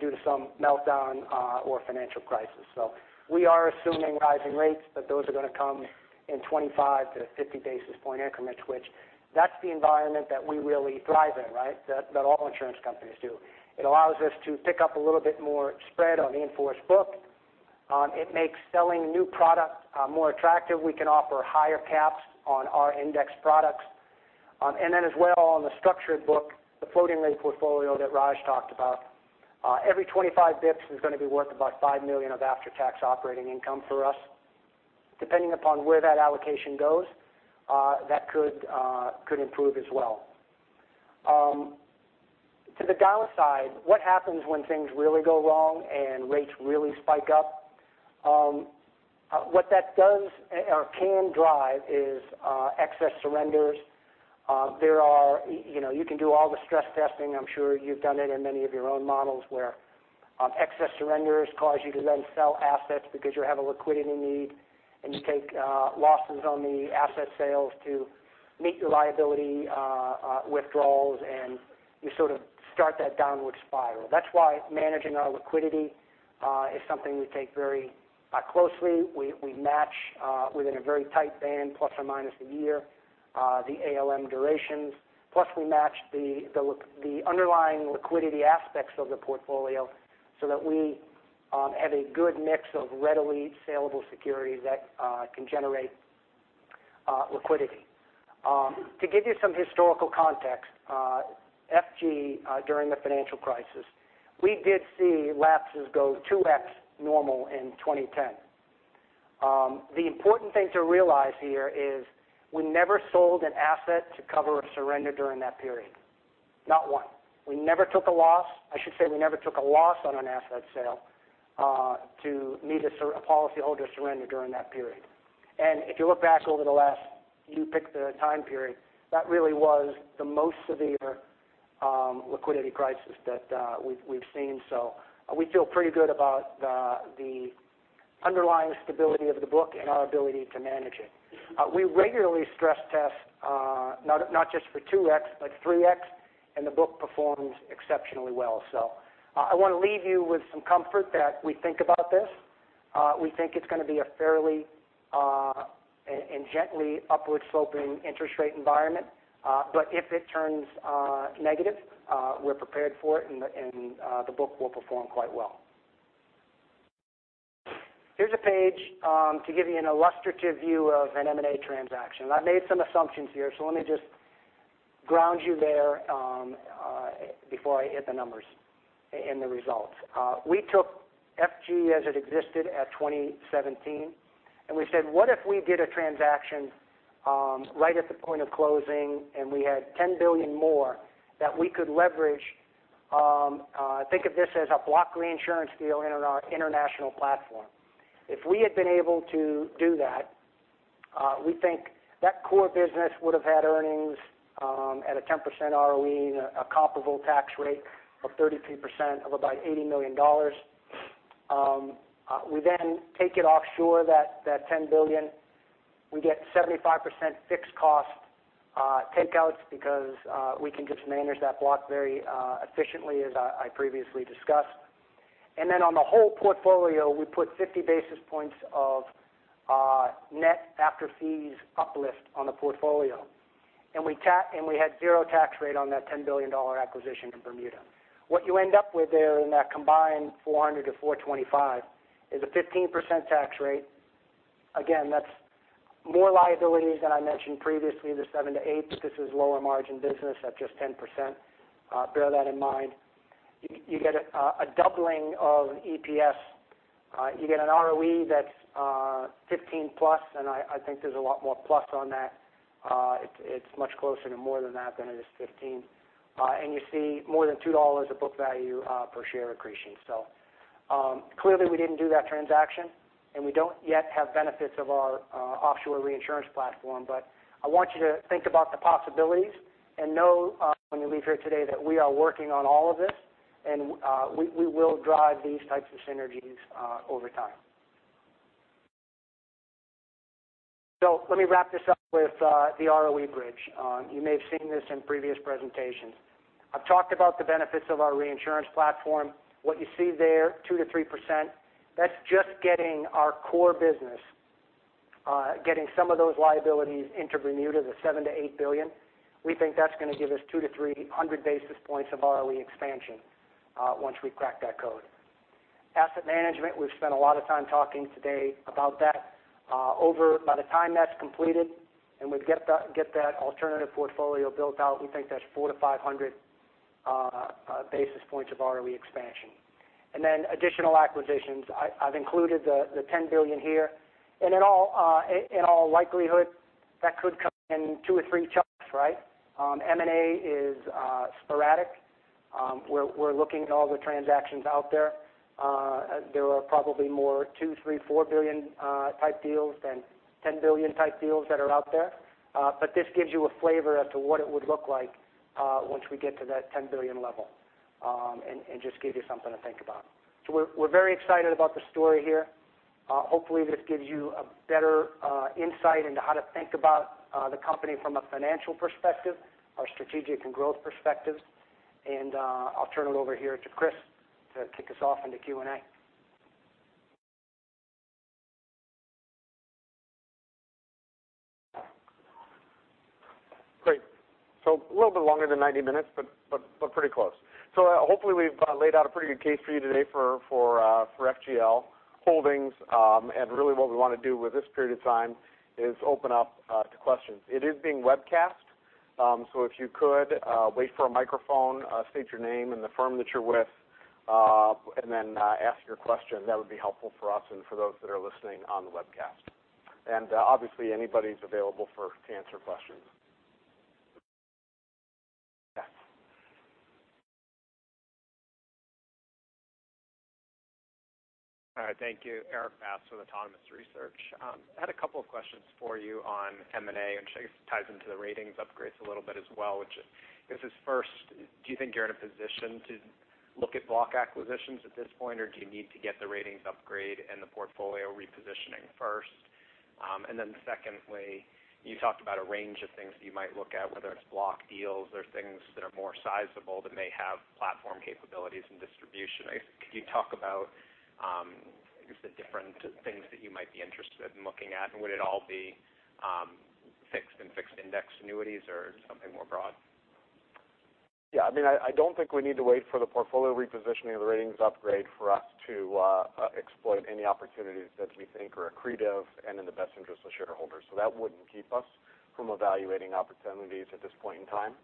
due to some meltdown or financial crisis. We are assuming rising rates, those are going to come in 25 to 50 basis point increments, which that's the environment that we really thrive in, right? That all insurance companies do. It allows us to pick up a little bit more spread on the in-force book. It makes selling new product more attractive. We can offer higher caps on our index products. On the structured book, the floating rate portfolio that Raj talked about, every 25 basis points is going to be worth about $5 million of after-tax operating income for us. Depending upon where that allocation goes, that could improve as well. To the downside, what happens when things really go wrong and rates really spike up? What that does or can drive is excess surrenders. You can do all the stress testing. I'm sure you've done it in many of your own models where excess surrenders cause you to then sell assets because you have a liquidity need, and you take losses on the asset sales to meet your liability withdrawals, and you sort of start that downward spiral. That's why managing our liquidity is something we take very closely. We match within a very tight band, ± a year, the ALM durations. We match the underlying liquidity aspects of the portfolio so that we have a good mix of readily salable securities that can generate liquidity. To give you some historical context, F&G, during the financial crisis, we did see lapses go 2x normal in 2010. The important thing to realize here is we never sold an asset to cover a surrender during that period. Not one. We never took a loss. I should say we never took a loss on an asset sale to meet a policyholder surrender during that period. If you look back over the last, you pick the time period, that really was the most severe liquidity crisis that we've seen. We feel pretty good about the underlying stability of the book and our ability to manage it. We regularly stress test, not just for 2x, but 3x, and the book performs exceptionally well. I want to leave you with some comfort that we think about this. We think it's going to be a fairly and gently upward-sloping interest rate environment. If it turns negative, we're prepared for it and the book will perform quite well. Here's a page to give you an illustrative view of an M&A transaction. I've made some assumptions here, so let me just ground you there before I hit the numbers and the results. We took F&G as it existed at 2017, and we said, what if we did a transaction right at the point of closing and we had $10 billion more that we could leverage? Think of this as a block reinsurance deal in our international platform. If we had been able to do that, we think that core business would have had earnings at a 10% ROE and a comparable tax rate of 33% of about $80 million. We then take it offshore, that $10 billion. We get 75% fixed cost takeouts because we can just manage that block very efficiently as I previously discussed. On the whole portfolio, we put 50 basis points of net after fees uplift on the portfolio. We had zero tax rate on that $10 billion acquisition in Bermuda. What you end up with there in that combined 400 to 425 basis points is a 15% tax rate. Again, that's more liabilities than I mentioned previously, the seven to eight. This is lower margin business at just 10%. Bear that in mind. You get a doubling of EPS. You get an ROE that's 15+, I think there's a lot more plus on that. It's much closer to more than that than it is 15. You see more than $2 of book value per share accretion. Clearly, we didn't do that transaction, and we don't yet have benefits of our offshore reinsurance platform. I want you to think about the possibilities and know when you leave here today that we are working on all of this, and we will drive these types of synergies over time. Let me wrap this up with the ROE bridge. You may have seen this in previous presentations. I've talked about the benefits of our reinsurance platform. What you see there, 2%-3%, that's just getting our core business, getting some of those liabilities into Bermuda, the $7 billion-$8 billion. We think that's going to give us 200-300 basis points of ROE expansion once we crack that code. Asset management, we've spent a lot of time talking today about that. By the time that's completed and we get that alternative portfolio built out, we think that's 400-500 basis points of ROE expansion. Additional acquisitions. I've included the $10 billion here. In all likelihood, that could come in two or three chunks. M&A is sporadic. We're looking at all the transactions out there. There are probably more $2 billion, $3 billion, $4 billion type deals than $10 billion type deals that are out there. This gives you a flavor as to what it would look like once we get to that $10 billion level, and just give you something to think about. We're very excited about the story here. Hopefully, this gives you a better insight into how to think about the company from a financial perspective, our strategic and growth perspectives. I'll turn it over here to Chris to kick us off into Q&A. Great. A little bit longer than 90 minutes, pretty close. Hopefully, we've laid out a pretty good case for you today for FGL Holdings. Really what we want to do with this period of time is open up to questions. It is being webcast. If you could wait for a microphone, state your name and the firm that you're with, then ask your question. That would be helpful for us and for those that are listening on the webcast. Obviously, anybody's available to answer questions. Yeah. All right. Thank you. Erik Bass with Autonomous Research. I had a couple of questions for you on M&A, which I guess ties into the ratings upgrades a little bit as well, which is first, do you think you're in a position to look at block acquisitions at this point, or do you need to get the ratings upgrade and the portfolio repositioning first? Secondly, you talked about a range of things that you might look at, whether it's block deals or things that are more sizable that may have platform capabilities and distribution. I guess, could you talk about the different things that you might be interested in looking at, and would it all be fixed and fixed index annuities, or is it something more broad? Yeah. I don't think we need to wait for the portfolio repositioning or the ratings upgrade for us to exploit any opportunities that we think are accretive and in the best interest of shareholders. That wouldn't keep us from evaluating opportunities at this point in time.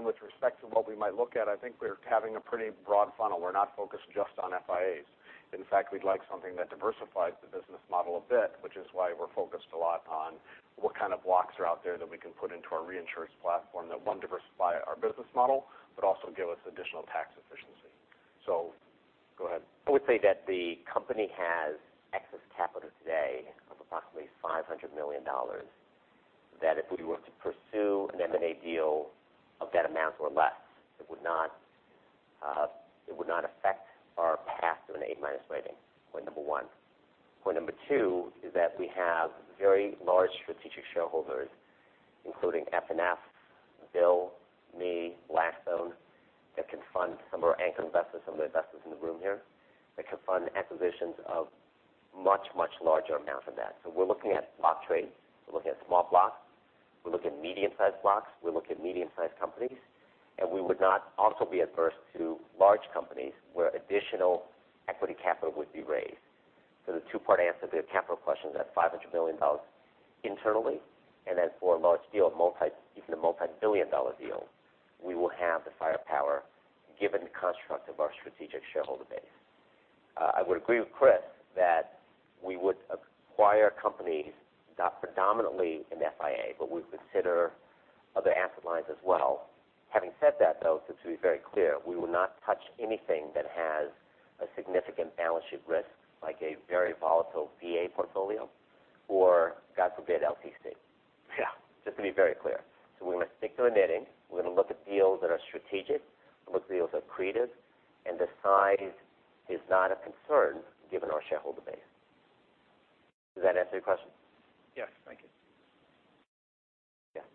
With respect to what we might look at, I think we're having a pretty broad funnel. We're not focused just on FIAs. In fact, we'd like something that diversifies the business model a bit, which is why we're focused a lot on what kind of blocks are out there that we can put into our reinsurance platform that, one, diversify our business model, but also give us additional tax efficiency. Go ahead. I would say that the company has excess capital today of approximately $500 million. That if we were to pursue an M&A deal of that amount or less, it would not affect our path to an A- rating. Point 1. Point 2 is that we have very large strategic shareholders, including FNF, Bill, me, Blackstone, that can fund some of our anchor investors, some of the investors in the room here, that can fund acquisitions of much, much larger amounts than that. We're looking at block trades. We're looking at small blocks. We're looking at medium-sized blocks. We're looking at medium-sized companies. We would not also be adverse to large companies where additional equity capital would be raised. The two-part answer to the capital question is that $500 million internally, for a large deal, even a multi-billion dollar deal, we will have the firepower given the construct of our strategic shareholder base. I would agree with Chris that we would acquire companies not predominantly in the FIA, but we would consider other asset lines as well. Having said that, though, just to be very clear, we will not touch anything that has a significant balance sheet risk, like a very volatile VA portfolio or, God forbid, LTC. Yeah. Just to be very clear. We're going to stick to our knitting. We're going to look at deals that are strategic. We'll look at deals that are accretive, and the size is not a concern given our shareholder base. Does that answer your question? Yes. Thank you. Yeah.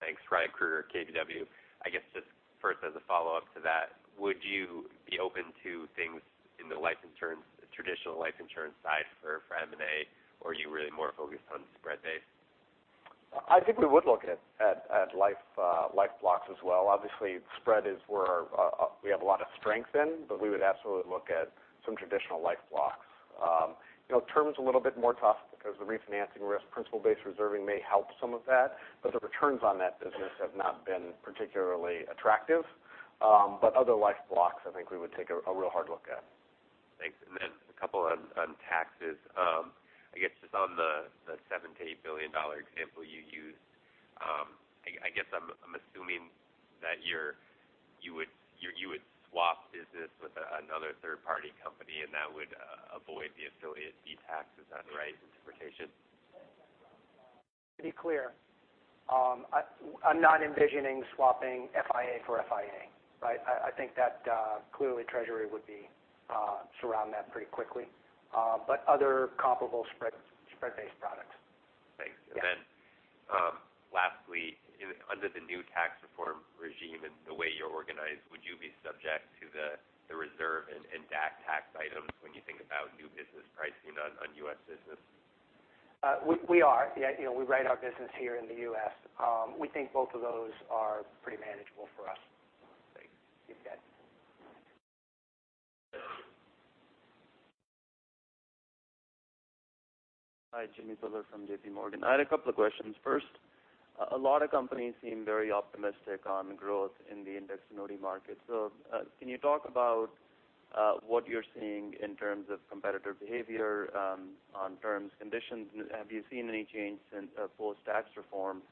Thanks. Ryan Krueger, KBW. I guess just first, as a follow-up to that, would you be open to things in the traditional life insurance side for M&A, or are you really more focused on spread-based? I think we would look at life blocks as well. Obviously, spread is where we have a lot of strength in, but we would absolutely look at some traditional life blocks. Term is a little bit more tough because the refinancing risk. Principle-Based Reserving may help some of that, but the returns on that business have not been particularly attractive. Other life blocks, I think we would take a real hard look at. Thanks. A couple on taxes. I guess just on the $7 billion-$8 billion example you used, I am assuming that you would swap business with another third-party company, and that would avoid the affiliate detax. Is that the right interpretation? To be clear, I am not envisioning swapping FIA for FIA. I think that clearly Treasury would surround that pretty quickly. Other comparable spread-based products. Thanks. Yeah. Lastly, under the new tax reform regime and the way you are organized, would you be subject to the reserve and DAC tax items when you think about new business pricing on U.S. business? We are. We write our business here in the U.S. We think both of those are pretty manageable for us. Thanks. You bet. Hi, Jimmy Bhullar from JPMorgan. I had a couple of questions. First, a lot of companies seem very optimistic on growth in the index annuity market. Can you talk about what you're seeing in terms of competitor behavior on terms, conditions? Have you seen any change post-tax reform,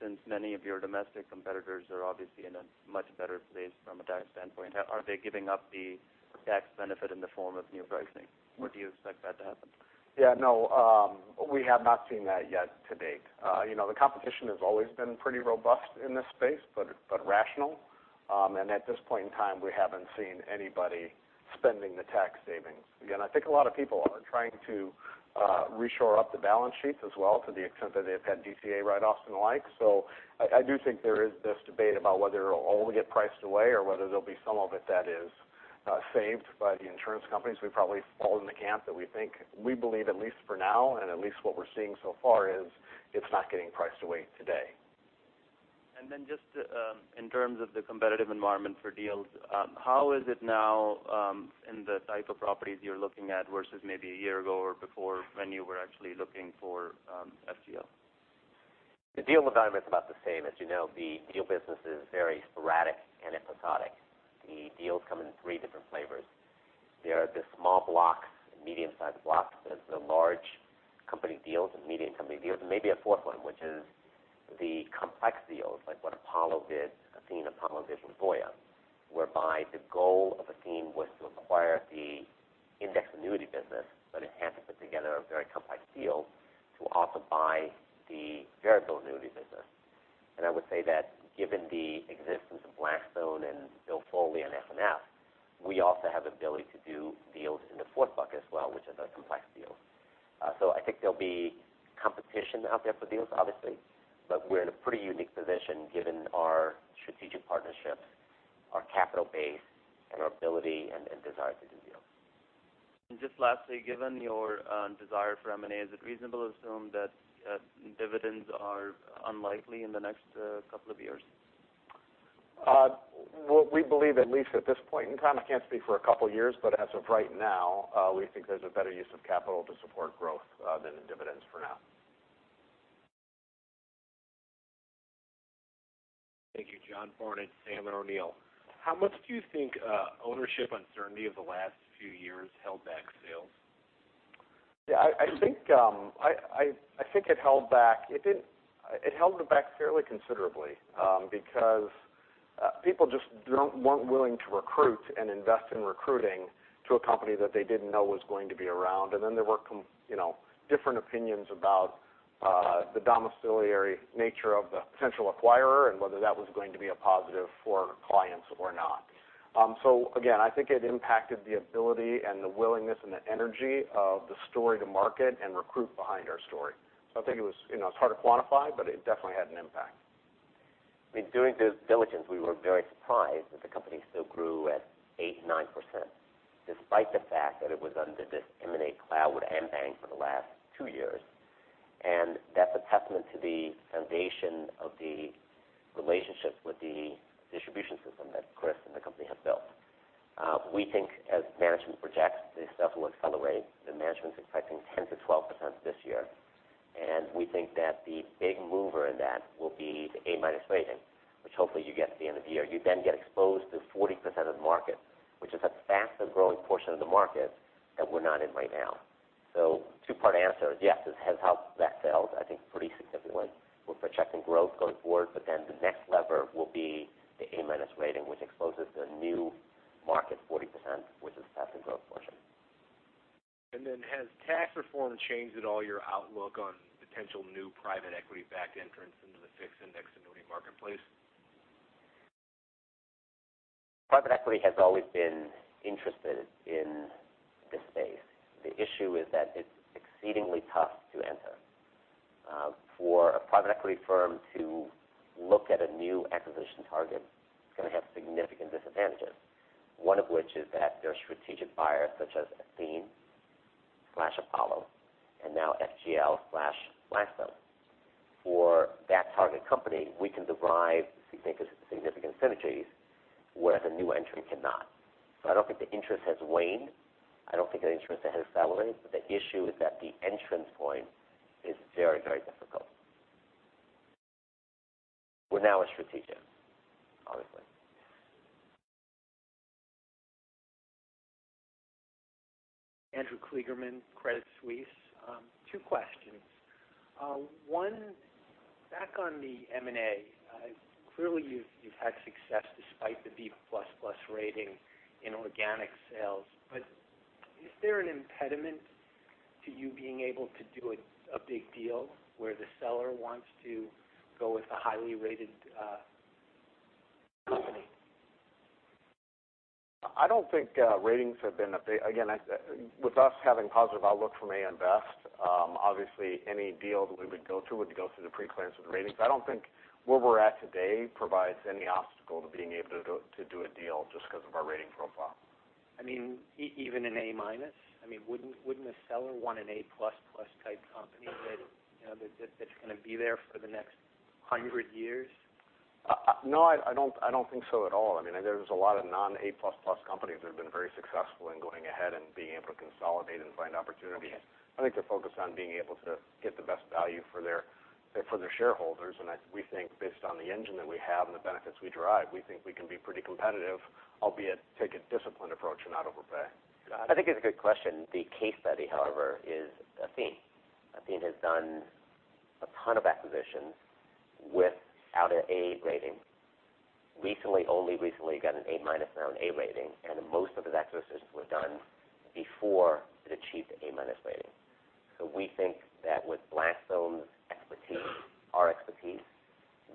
since many of your domestic competitors are obviously in a much better place from a tax standpoint? Are they giving up the tax benefit in the form of new pricing, or do you expect that to happen? Yeah, no. We have not seen that yet to date. The competition has always been pretty robust in this space, but rational. At this point in time, we haven't seen anybody spending the tax savings. I think a lot of people are trying to reshore up the balance sheets as well to the extent that they've had DAC write-offs and the like. I do think there is this debate about whether it'll all get priced away or whether there'll be some of it that is saved by the insurance companies. We probably fall in the camp that we believe, at least for now and at least what we're seeing so far is, it's not getting priced away today. Just in terms of the competitive environment for deals, how is it now in the type of properties you're looking at versus maybe a year ago or before when you were actually looking for FGL? The deal environment's about the same. As you know, the deal business is very sporadic and episodic. The deals come in three different flavors. There are the small blocks, the medium-sized blocks, there's the large company deals and medium company deals, and maybe a fourth one, which is the complex deals like what Apollo did, Athene, Apollo did with Voya, whereby the goal of Athene was to acquire the index annuity business, but it had to put together a very complex deal to also buy the variable annuity business. I would say that given the existence of Blackstone and Bill Foley on FNF, we also have ability to do deals in the fourth bucket as well, which is a complex deal. I think there'll be competition out there for deals, obviously, but we're in a pretty unique position given our strategic partnerships, our capital base, and our ability and desire to do deals. Just lastly, given your desire for M&A, is it reasonable to assume that dividends are unlikely in the next couple of years? What we believe, at least at this point in time, I can't speak for a couple of years, but as of right now, we think there's a better use of capital to support growth than in dividends for now. Thank you. John Barnidge, Sandler O'Neill. How much do you think ownership uncertainty of the last few years held back sales? Yeah, I think it held it back fairly considerably, because people just weren't willing to recruit and invest in recruiting to a company that they didn't know was going to be around. There were different opinions about the domiciliary nature of the potential acquirer and whether that was going to be a positive for clients or not. Again, I think it impacted the ability and the willingness and the energy of the story to market and recruit behind our story. I think it's hard to quantify, but it definitely had an impact. During due diligence, we were very surprised that the company still grew at 8%, 9%, despite the fact that it was under this M&A cloud with Anbang for the last 2 years. That's a testament to the foundation of the relationships with the distribution system that Chris and the company have built. We think as management projects, this stuff will accelerate. The management's expecting 10%-12% this year, we think that the big mover in that will be the A-minus rating, which hopefully you get at the end of the year. You get exposed to 40% of the market, which is a faster-growing portion of the market that we're not in right now. 2-part answer is yes, it has held back sales, I think, pretty significantly. We're projecting growth going forward, the next lever will be the A-minus rating, which exposes a new market, 40%, which is a faster-growth portion. Has tax reform changed at all your outlook on potential new private equity-backed entrants into the fixed index annuity marketplace? Private equity has always been interested in this space. The issue is that it's exceedingly tough to enter. For a private equity firm to look at a new acquisition target, it's going to have significant disadvantages. One of which is that there are strategic buyers such as Athene/Apollo, and now FGL/Blackstone. For that target company, we can derive, we think, significant synergies, where the new entrant cannot. I don't think the interest has waned. I don't think the interest has accelerated. The issue is that the entrance point is very difficult. We're now a strategic, obviously. Andrew Kligerman, Credit Suisse. Two questions. One, back on the M&A. Clearly, you've had success despite the B++ rating in organic sales. Is there an impediment to you being able to do a big deal where the seller wants to go with a highly rated company? I don't think ratings have been. With us having positive outlook from AM Best, obviously any deal that we would go through would go through the pre-clearance with the ratings. I don't think where we're at today provides any obstacle to being able to do a deal just because of our rating profile. Even an A-? Wouldn't a seller want an A++ type company that's going to be there for the next 100 years? No, I don't think so at all. There's a lot of non-A++ companies that have been very successful in going ahead and being able to consolidate and find opportunities. Okay. I think they're focused on being able to get the best value for their shareholders. We think based on the engine that we have and the benefits we derive, we think we can be pretty competitive, albeit take a disciplined approach and not overpay. Got it. I think it's a good question. The case study, however, is Athene. Athene has done a ton of acquisitions without an A rating. Only recently got an A- to an A rating, and most of those acquisitions were done before it achieved the A- rating. We think that with Blackstone's expertise, our expertise,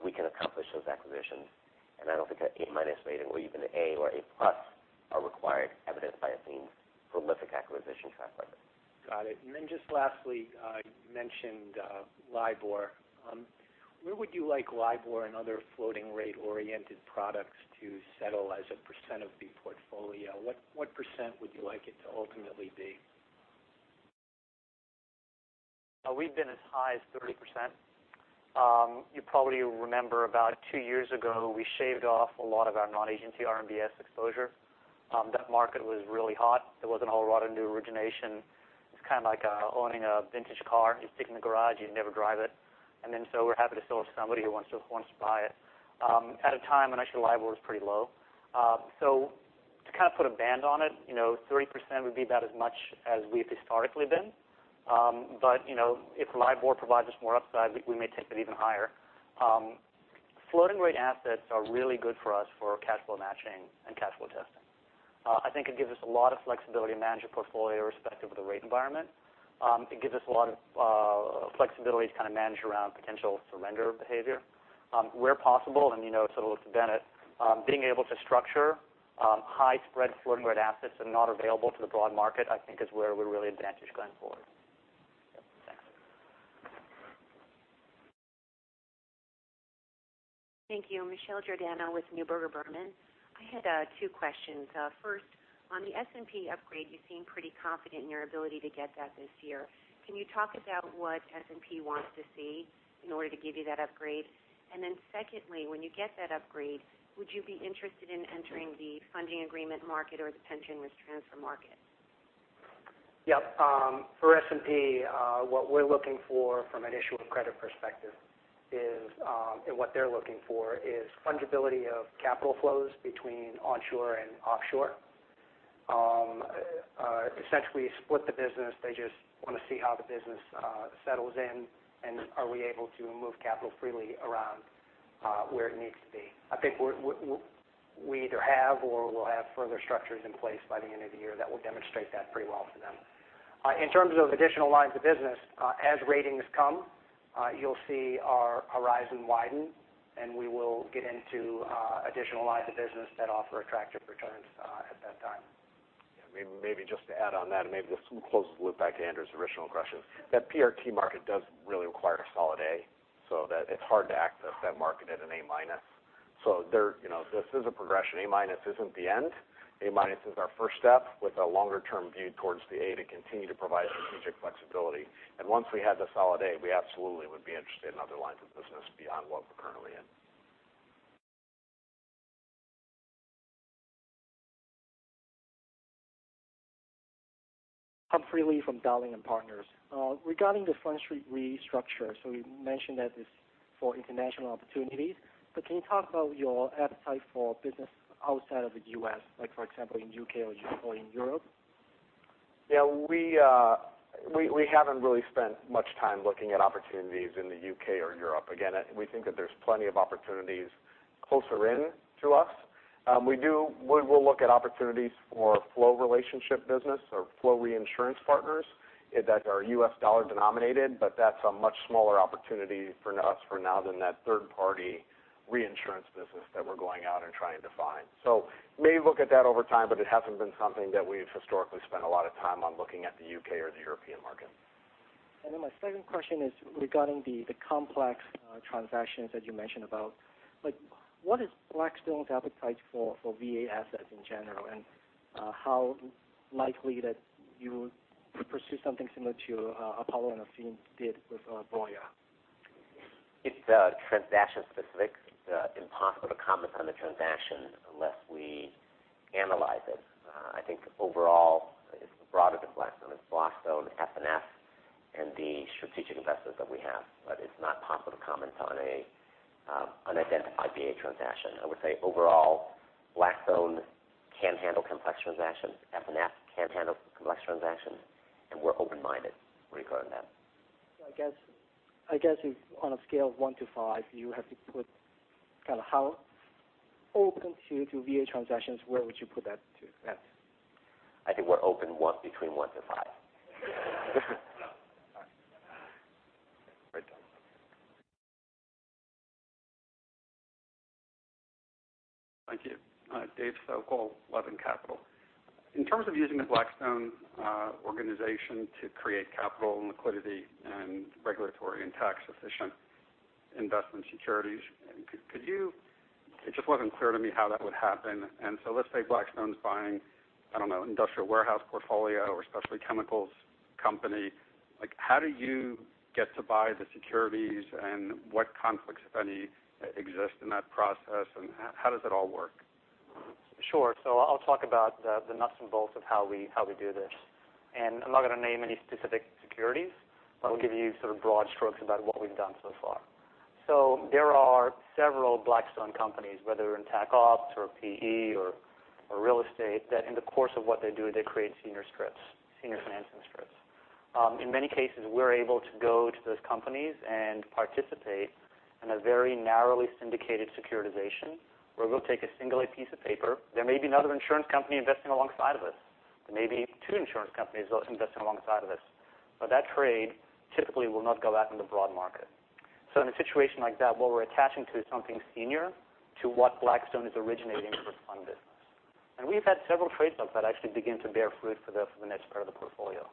we can accomplish those acquisitions. I don't think an A- rating or even an A or A+ are required, evidenced by Athene's prolific acquisition track record. Got it. Just lastly, you mentioned LIBOR. Where would you like LIBOR and other floating rate-oriented products to settle as a % of the portfolio? What % would you like it to ultimately be? We've been as high as 30%. You probably remember about 2 years ago, we shaved off a lot of our non-agency RMBS exposure. That market was really hot. There wasn't a whole lot of new origination. It's kind of like owning a vintage car. You stick it in the garage, you never drive it. We're happy to sell it to somebody who wants to buy it at a time when actually LIBOR was pretty low. To kind of put a band on it, 30% would be about as much as we've historically been. If LIBOR provides us more upside, we may take it even higher. Floating rate assets are really good for us for cash flow matching and cash flow testing. I think it gives us a lot of flexibility to manage a portfolio irrespective of the rate environment. It gives us a lot of flexibility to kind of manage around potential surrender behavior. Where possible, I'll look to Bennett, being able to structure high spread floating rate assets that are not available to the broad market, I think is where we're really advantaged going forward. Yep. Thanks. Thank you. Michelle Giordano with Neuberger Berman. I had two questions. First, on the S&P upgrade, you seem pretty confident in your ability to get that this year. Can you talk about what S&P wants to see in order to give you that upgrade? Secondly, when you get that upgrade, would you be interested in entering the funding agreement market or the pension risk transfer market? Yep. For S&P, what we're looking for from an issuer credit perspective is fungibility of capital flows between onshore and offshore. Essentially split the business. They just want to see how the business settles in, are we able to move capital freely around where it needs to be. I think we either have or we'll have further structures in place by the end of the year that will demonstrate that pretty well for them. In terms of additional lines of business, as ratings come, you'll see our horizon widen, we will get into additional lines of business that offer attractive returns at that time. Yeah. Maybe just to add on that, maybe this closes the loop back to Andrew's original question. That PRT market does really require a solid A, it's hard to access that market at an A-. This is a progression. A- isn't the end. A- is our first step with a longer-term view towards the A to continue to provide strategic flexibility. Once we have the solid A, we absolutely would be interested in other lines of business beyond what we're currently in. Humphrey Lee from Dowling & Partners. Regarding the Front Street restructure, so you mentioned that it's for international opportunities. Can you talk about your appetite for business outside of the U.S., like for example, in U.K. or generally in Europe? Yeah. We haven't really spent much time looking at opportunities in the U.K. or Europe. Again, we think that there's plenty of opportunities closer in to us. We'll look at opportunities for flow relationship business or flow reinsurance partners that are U.S. dollar denominated, but that's a much smaller opportunity for us for now than that third party reinsurance business that we're going out and trying to find. May look at that over time, but it hasn't been something that we've historically spent a lot of time on looking at the U.K. or the European market. My second question is regarding the complex transactions that you mentioned about. What is Blackstone's appetite for VA assets in general, and how likely that you would pursue something similar to Apollo and Athene did with Voya? It's transaction specific. It's impossible to comment on the transaction unless we analyze it. I think overall, it's broader than Blackstone. It's Blackstone, FNF, and the strategic investors that we have. It's not possible to comment on an unidentified VA transaction. I would say overall, Blackstone can handle complex transactions. FNF can handle complex transactions, we're open-minded regarding that. I guess if on a scale of one to five you have to put how open to VA transactions, where would you put that to, Seth? I think we're open between one to five. All right. Great. Thank you. David Sokol, Teton Capital. In terms of using the Blackstone organization to create capital and liquidity and regulatory and tax efficient investment securities, it just wasn't clear to me how that would happen. Let's say Blackstone is buying, I don't know, industrial warehouse portfolio or specialty chemicals company. How do you get to buy the securities and what conflicts, if any, exist in that process, and how does it all work? Sure. I'll talk about the nuts and bolts of how we do this. I'm not going to name any specific securities, but I'll give you sort of broad strokes about what we've done so far. There are several Blackstone companies, whether in Tactical Opportunities or PE or real estate, that in the course of what they do, they create senior strips, senior financing strips. In many cases, we're able to go to those companies and participate in a very narrowly syndicated securitization where we'll take a single A piece of paper. There may be another insurance company investing alongside of us. There may be two insurance companies investing alongside of us. That trade typically will not go out in the broad market. In a situation like that, what we're attaching to is something senior to what Blackstone is originating for fund business. We've had several trade bumps that actually begin to bear fruit for the next part of the portfolio.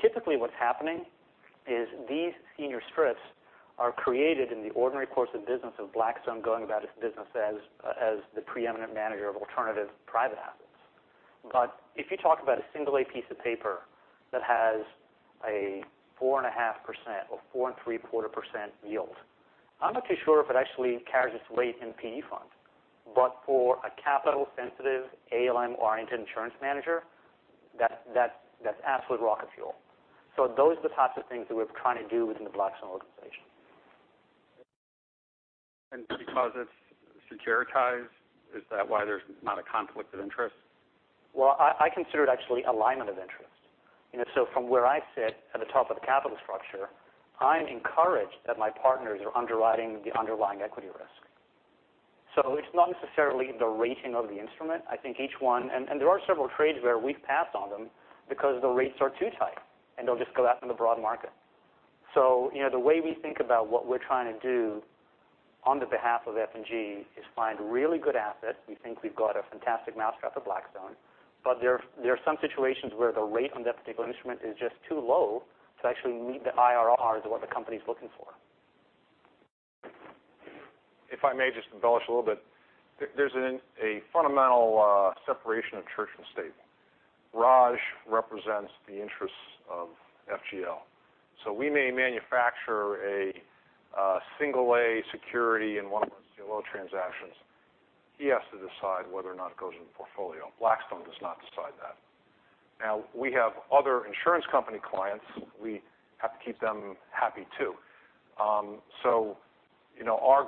Typically, what's happening is these senior strips are created in the ordinary course of business of Blackstone going about its business as the preeminent manager of alternative private assets. If you talk about a single A piece of paper that has a 4.5% or 4.75% yield, I'm not too sure if it actually carries its weight in PE funds. For a capital sensitive ALM oriented insurance manager, that's absolute rocket fuel. Those are the types of things that we're trying to do within the Blackstone organization. Because it's securitized, is that why there's not a conflict of interest? Well, I consider it actually alignment of interest. From where I sit at the top of the capital structure, I'm encouraged that my partners are underwriting the underlying equity risk. It's not necessarily the rating of the instrument. There are several trades where we've passed on them because the rates are too tight, and they'll just go out in the broad market. The way we think about what we're trying to do on the behalf of F&G is find really good assets. We think we've got a fantastic mousetrap at Blackstone, but there are some situations where the rate on that particular instrument is just too low to actually meet the IRRs of what the company's looking for. If I may just embellish a little bit, there's a fundamental separation of church and state. Raj represents the interests of FGL. We may manufacture a single A security in one of our CLO transactions. He has to decide whether or not it goes in the portfolio. Blackstone does not decide that. We have other insurance company clients. We have to keep them happy, too. Our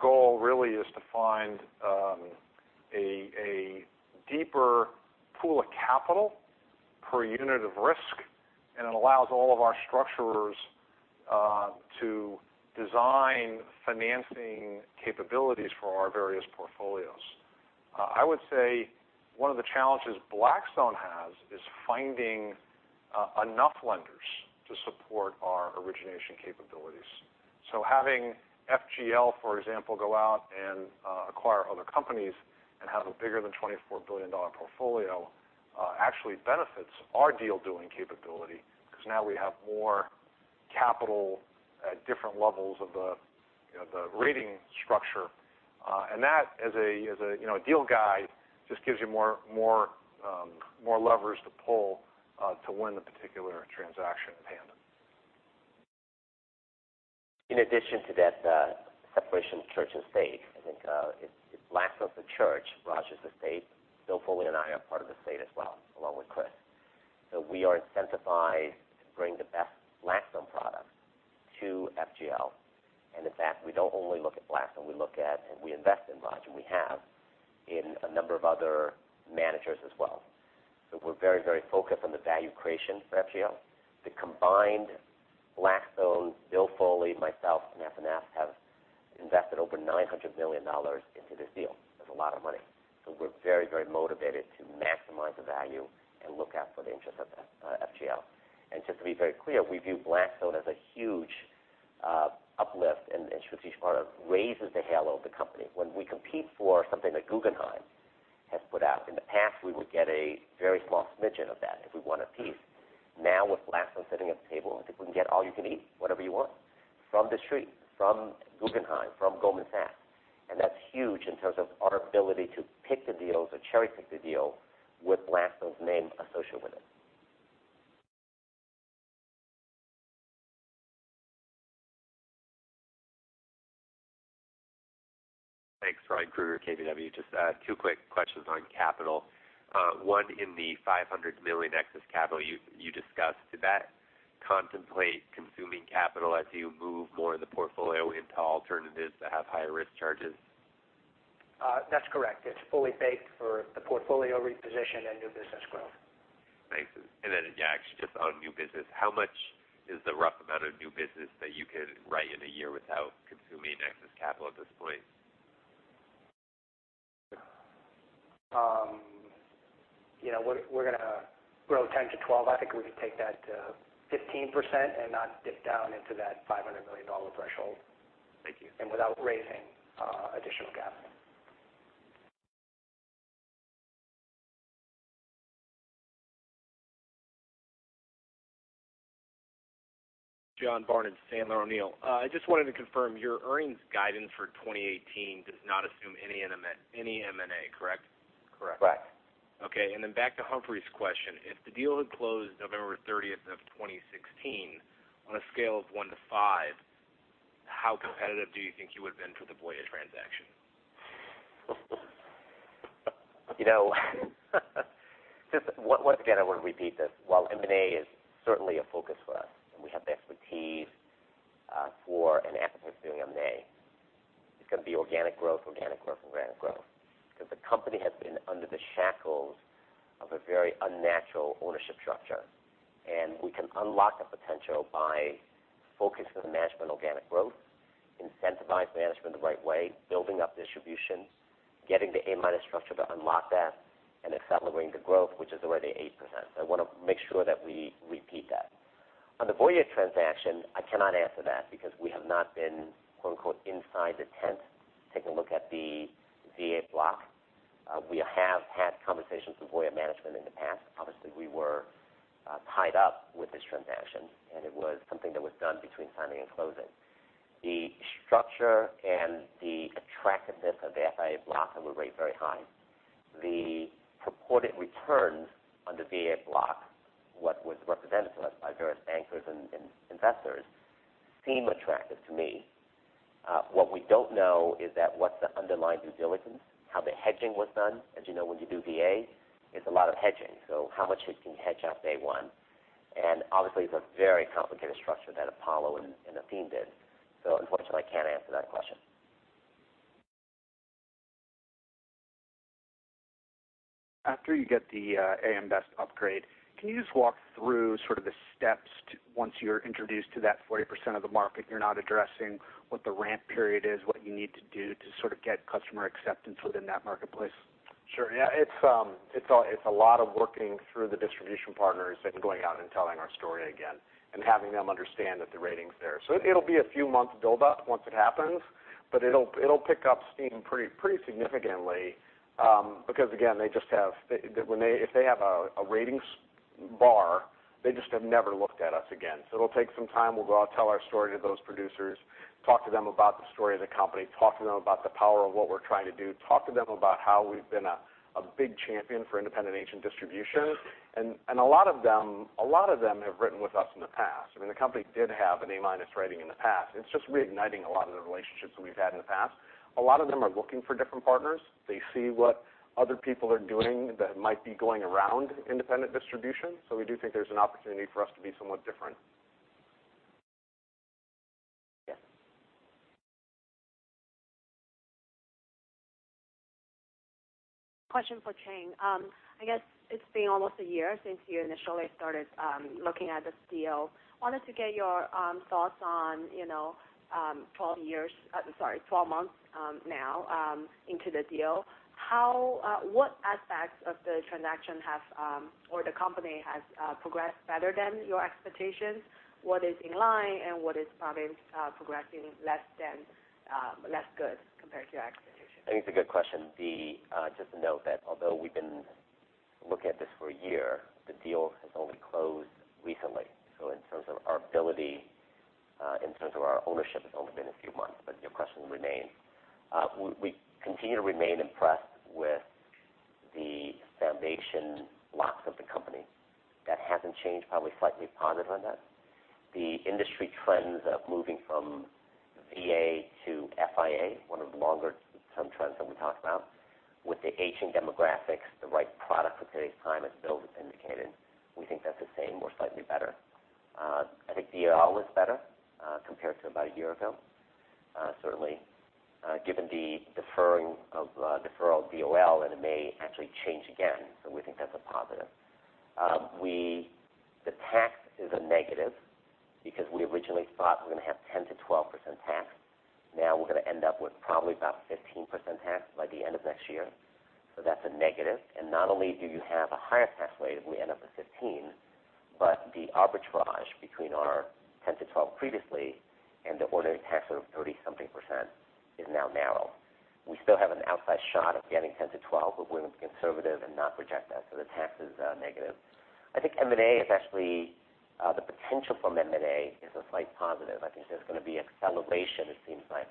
goal really is to find a deeper pool of capital per unit of risk, and it allows all of our structurers to design financing capabilities for our various portfolios. I would say one of the challenges Blackstone has is finding enough lenders to support our origination capabilities. Having FGL, for example, go out and acquire other companies and have a bigger than $24 billion portfolio actually benefits our deal-doing capability because now we have more capital at different levels of the rating structure. That as a deal guide just gives you more levers to pull to win the particular transaction at hand. In addition to that separation of church and state, I think if Blackstone's the church, Raj is the state. Bill Foley and I are part of the state as well, along with Chris. We are incentivized to bring the best Blackstone product to FGL. In fact, we don't only look at Blackstone, we look at and we invest in Raj, and we have in a number of other managers as well. We're very focused on the value creation for FGL. The combined Blackstone, Bill Foley, myself, and FNF have invested over $900 million into this deal. It's a lot of money. We're very motivated to maximize the value and look out for the interest of FGL. Just to be very clear, we view Blackstone as a huge uplift, and strategic partner raises the halo of the company. When we compete for something that Guggenheim has put out, in the past, we would get a very small smidgen of that if we won a piece. Now with Blackstone sitting at the table, I think we can get all you can eat, whatever you want from the street, from Guggenheim, from Goldman Sachs, that's huge in terms of our ability to pick the deals or cherry-pick the deal with Blackstone's name associated with it. Thanks. Ryan Krueger, KBW. Just two quick questions on capital. One, in the $500 million excess capital you discussed, did that contemplate consuming capital as you move more of the portfolio into alternatives that have higher risk charges? That's correct. It's fully baked for the portfolio reposition and new business growth. Thanks. Then, yeah, actually just on new business, how much is the rough amount of new business that you can write in a year without consuming excess capital at this point? We're going to grow 10%-12%. I think we can take that to 15% and not dip down into that $500 million threshold. Thank you. Without raising additional capital. John Barnidge, Sandler O'Neill. I just wanted to confirm, your earnings guidance for 2018 does not assume any M&A, correct? Correct. Correct. Okay. Then back to Humphrey's question, if the deal had closed November 30th of 2016, on a scale of one to five, how competitive do you think you would've been for the Voya transaction? Once again, I want to repeat this. While M&A is certainly a focus for us, and we have the expertise for an activist doing M&A, it's going to be organic growth. Because the company has been under the shackles of a very unnatural ownership structure, and we can unlock the potential by focusing on management organic growth, incentivize management the right way, building up distributions, getting the A-minus structure to unlock that, and accelerating the growth, which is already 8%. I want to make sure that we repeat that. On the Voya transaction, I cannot answer that because we have not been, quote-unquote, inside the tent to take a look at the VA block. We have had conversations with Voya management in the past. Obviously, we were tied up with this transaction, and it was something that was done between signing and closing. The structure and the attractiveness of the FIA block that we rate very high. The purported returns on the VA block, what was represented to us by various bankers and investors seem attractive to me. What we don't know is that what's the underlying due diligence, how the hedging was done. As you know, when you do VA, it's a lot of hedging. How much you can hedge on day one. Obviously, it's a very complicated structure that Apollo and Athene did. Unfortunately, I can't answer that question. After you get the AM Best upgrade, can you just walk through sort of the steps once you're introduced to that 40% of the market you're not addressing, what the ramp period is, what you need to do to sort of get customer acceptance within that marketplace? It's a lot of working through the distribution partners and going out and telling our story again and having them understand that the rating's there. It'll be a few months build up once it happens, but it'll pick up steam pretty significantly because again, if they have a ratings bar, they just have never looked at us again. It'll take some time. We'll go out, tell our story to those producers, talk to them about the story of the company, talk to them about the power of what we're trying to do, talk to them about how we've been a big champion for independent agent distribution. I mean, a lot of them have written with us in the past. The company did have an A-minus rating in the past. It's just reigniting a lot of the relationships that we've had in the past. A lot of them are looking for different partners. They see what other people are doing that might be going around independent distribution. We do think there's an opportunity for us to be somewhat different. Yes. Question for Chin Chu. It's been almost a year since you initially started looking at this deal. Wanted to get your thoughts on 12 months now into the deal. What aspects of the transaction or the company has progressed better than your expectations? What is in line, and what is probably progressing less good compared to your expectations? It's a good question. Just note that although we've been looking at this for a year, the deal has only closed recently. In terms of our ability, in terms of our ownership, it's only been a few months, but your question will remain. We continue to remain impressed with the foundation blocks of the company. That hasn't changed. Probably slightly positive on that. The industry trends of moving from VA to FIA, one of the longer-term trends that we talked about with the aging demographics, the right product for today's time, as Bill has indicated, we think that's the same. We're slightly better. I think DOL is better compared to about a year ago. Certainly given the deferral of DOL, and it may actually change again. We think that's a positive. The tax is a negative. We originally thought we are going to have 10%-12% tax. We are going to end up with probably about 15% tax by the end of next year. That's a negative. Not only do you have a higher tax rate if we end up with 15%, but the arbitrage between our 10%-12% previously and the ordinary tax rate of 30-something% is now narrow. We still have an outside shot of getting 10%-12%, but we are going to be conservative and not project that. The tax is negative. I think M&A is actually, the potential for M&A is a slight positive. I think there's going to be acceleration, it seems like,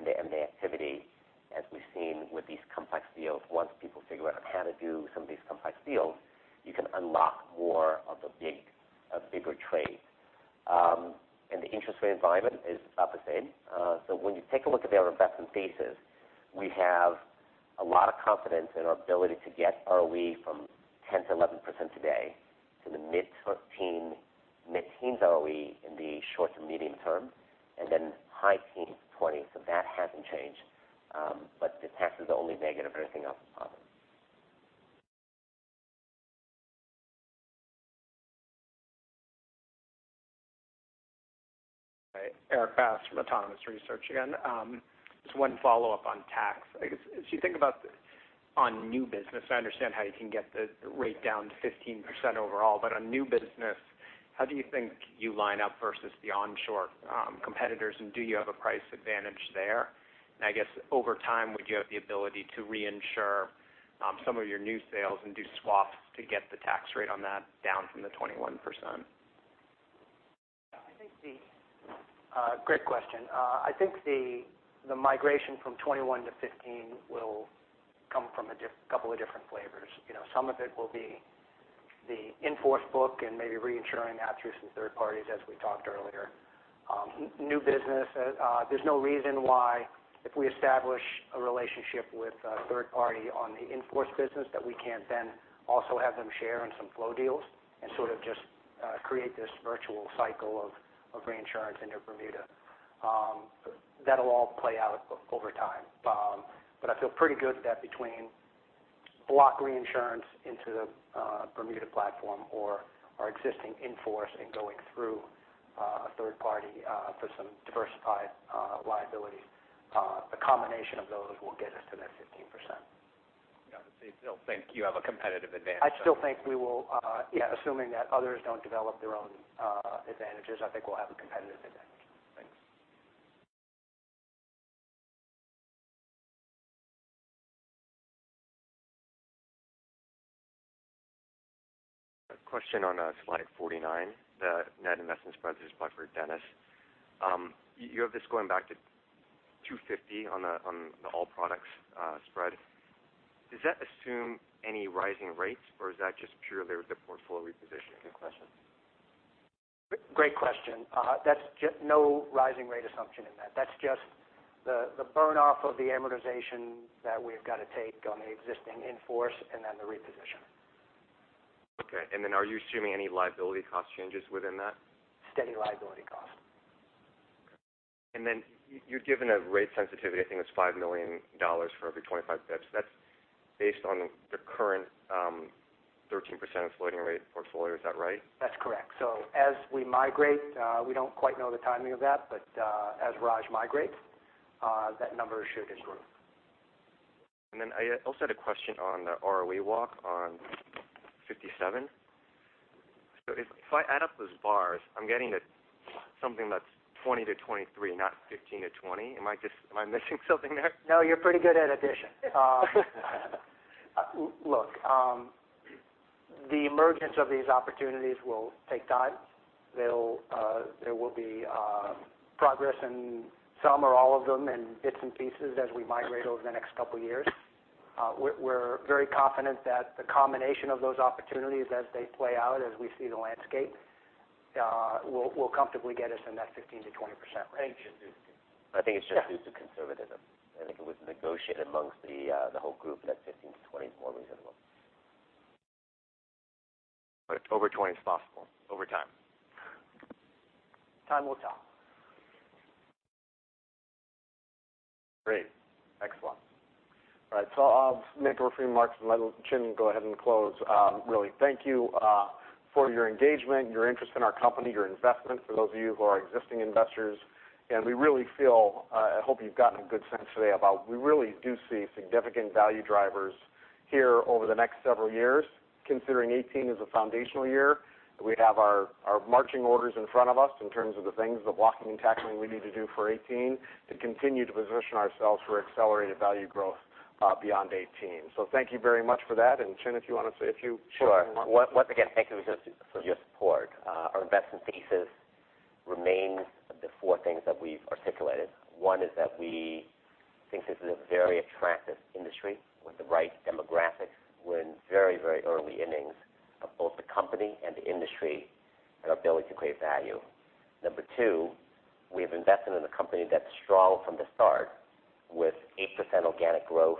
in the M&A activity, as we've seen with these complex deals. Once people figure out how to do some of these complex deals, you can unlock more of the bigger trades. The interest rate environment is about the same. When you take a look at our investment thesis, we have a lot of confidence in our ability to get ROE from 10%-11% today to the mid-teens ROE in the short to medium term, and then high teens to 20. That hasn't changed. The tax is the only negative, everything else is positive. Right. Erik Bass from Autonomous Research again. Just one follow-up on tax. I guess as you think about on new business, I understand how you can get the rate down to 15% overall. On new business, how do you think you line up versus the onshore competitors, and do you have a price advantage there? I guess over time, would you have the ability to reinsure some of your new sales and do swaps to get the tax rate on that down from the 21%? Great question. I think the migration from 21% to 15% will come from a couple of different flavors. Some of it will be the in-force book and maybe reinsuring that through some third parties, as we talked earlier. New business, there's no reason why if we establish a relationship with a third party on the in-force business that we can't then also have them share in some flow deals and sort of just create this virtual cycle of reinsurance into Bermuda. That will all play out over time. I feel pretty good that between block reinsurance into the Bermuda platform or our existing in-force and going through a third party for some diversified liability, a combination of those will get us to that 15%. You still think you have a competitive advantage there? I still think we will. Yeah, assuming that others don't develop their own advantages, I think we'll have a competitive advantage. Thanks. A question on slide 49, the net investment spreads, this is for Dennis. You have this going back to 250 on the all products spread. Does that assume any rising rates, or is that just purely with the portfolio reposition? Good question. Great question. No rising rate assumption in that. That's just the burn-off of the amortization that we've got to take on the existing in-force and then the reposition. Okay. Are you assuming any liability cost changes within that? Steady liability cost. You're given a rate sensitivity, I think it's $5 million for every 25 basis points. That's based on the current 13% floating rate portfolio, is that right? That's correct. As we migrate, we don't quite know the timing of that, but as Raj migrates, that number should improve. I also had a question on the ROE walk on 57. If I add up those bars, I'm getting something that's 20%-23%, not 15%-20%. Am I missing something there? No, you're pretty good at addition. Look, the emergence of these opportunities will take time. There will be progress in some or all of them in bits and pieces as we migrate over the next couple of years. We're very confident that the combination of those opportunities as they play out, as we see the landscape will comfortably get us in that 15%-20% range. I think it's just due to conservatism. I think it was negotiated amongst the whole group that 15%-20% is more reasonable. Over 20% is possible over time? Time will tell. Great. Excellent. All right, I'll make a few remarks and let Chin go ahead and close. Really, thank you for your engagement, your interest in our company, your investment for those of you who are existing investors. We really feel, I hope you've gotten a good sense today about we really do see significant value drivers here over the next several years, considering 2018 as a foundational year. We have our marching orders in front of us in terms of the things, the blocking and tackling we need to do for 2018 to continue to position ourselves for accelerated value growth beyond 2018. Thank you very much for that. Chin, if you want to say a few words. Sure. Once again, thank you for your support. Our investment thesis remains the 4 things that we've articulated. One is that we think this is a very attractive industry with the right demographics. We're in very early innings of both the company and the industry and our ability to create value. Number 2, we have invested in a company that's strong from the start with 8% organic growth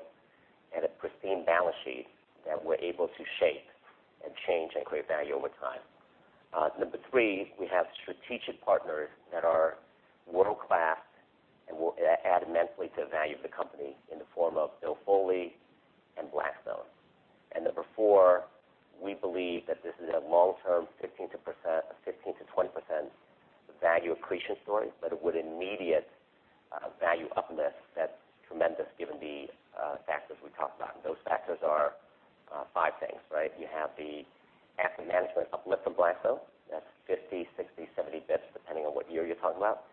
and a pristine balance sheet that we're able to shape and change and create value over time. Number 3, we have strategic partners that are world-class and will add immensely to the value of the company in the form of Bill Foley and Blackstone. Number 4, we believe that this is a long-term 15%-20% value accretion story, but with immediate value uplift that's tremendous given the factors we talked about. Those factors are 5 things, right? You have the asset management uplift from Blackstone. That's 50, 60, 70 basis points, depending on what year you're talking about.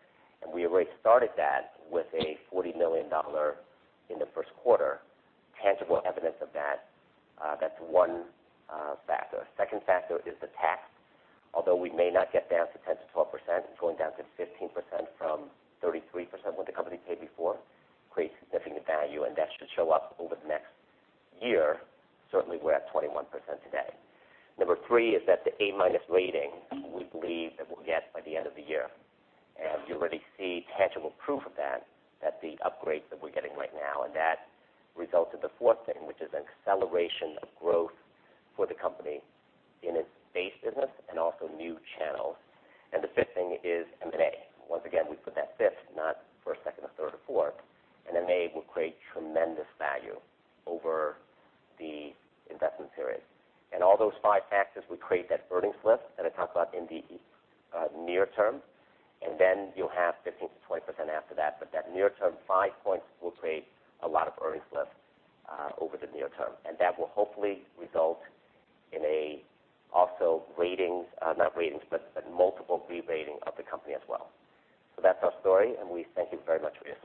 We already started that with a $40 million in the first quarter tangible evidence of that. That's 1 factor. Second factor is the tax. Although we may not get down to 10%-12%, going down to 15% from 33% what the company paid before creates significant value, and that should show up over the next year. Certainly, we're at 21% today. Number 3 is that the A-minus rating we believe that we'll get by the end of the year. You already see tangible proof of that the upgrades that we're getting right now, and that results in the 4th thing, which is an acceleration of growth for the company in its base business and also new channels. The 5th thing is M&A. Once again, we put that fifth, not first, second, or third, or fourth. M&A will create tremendous value over the investment period. All those five factors will create that earnings lift that I talked about in the near term, and then you'll have 15%-20% after that. That near-term five points will create a lot of earnings lift over the near term, and that will hopefully result in a also ratings, not ratings, but multiple re-rating of the company as well. That's our story, and we thank you very much for your support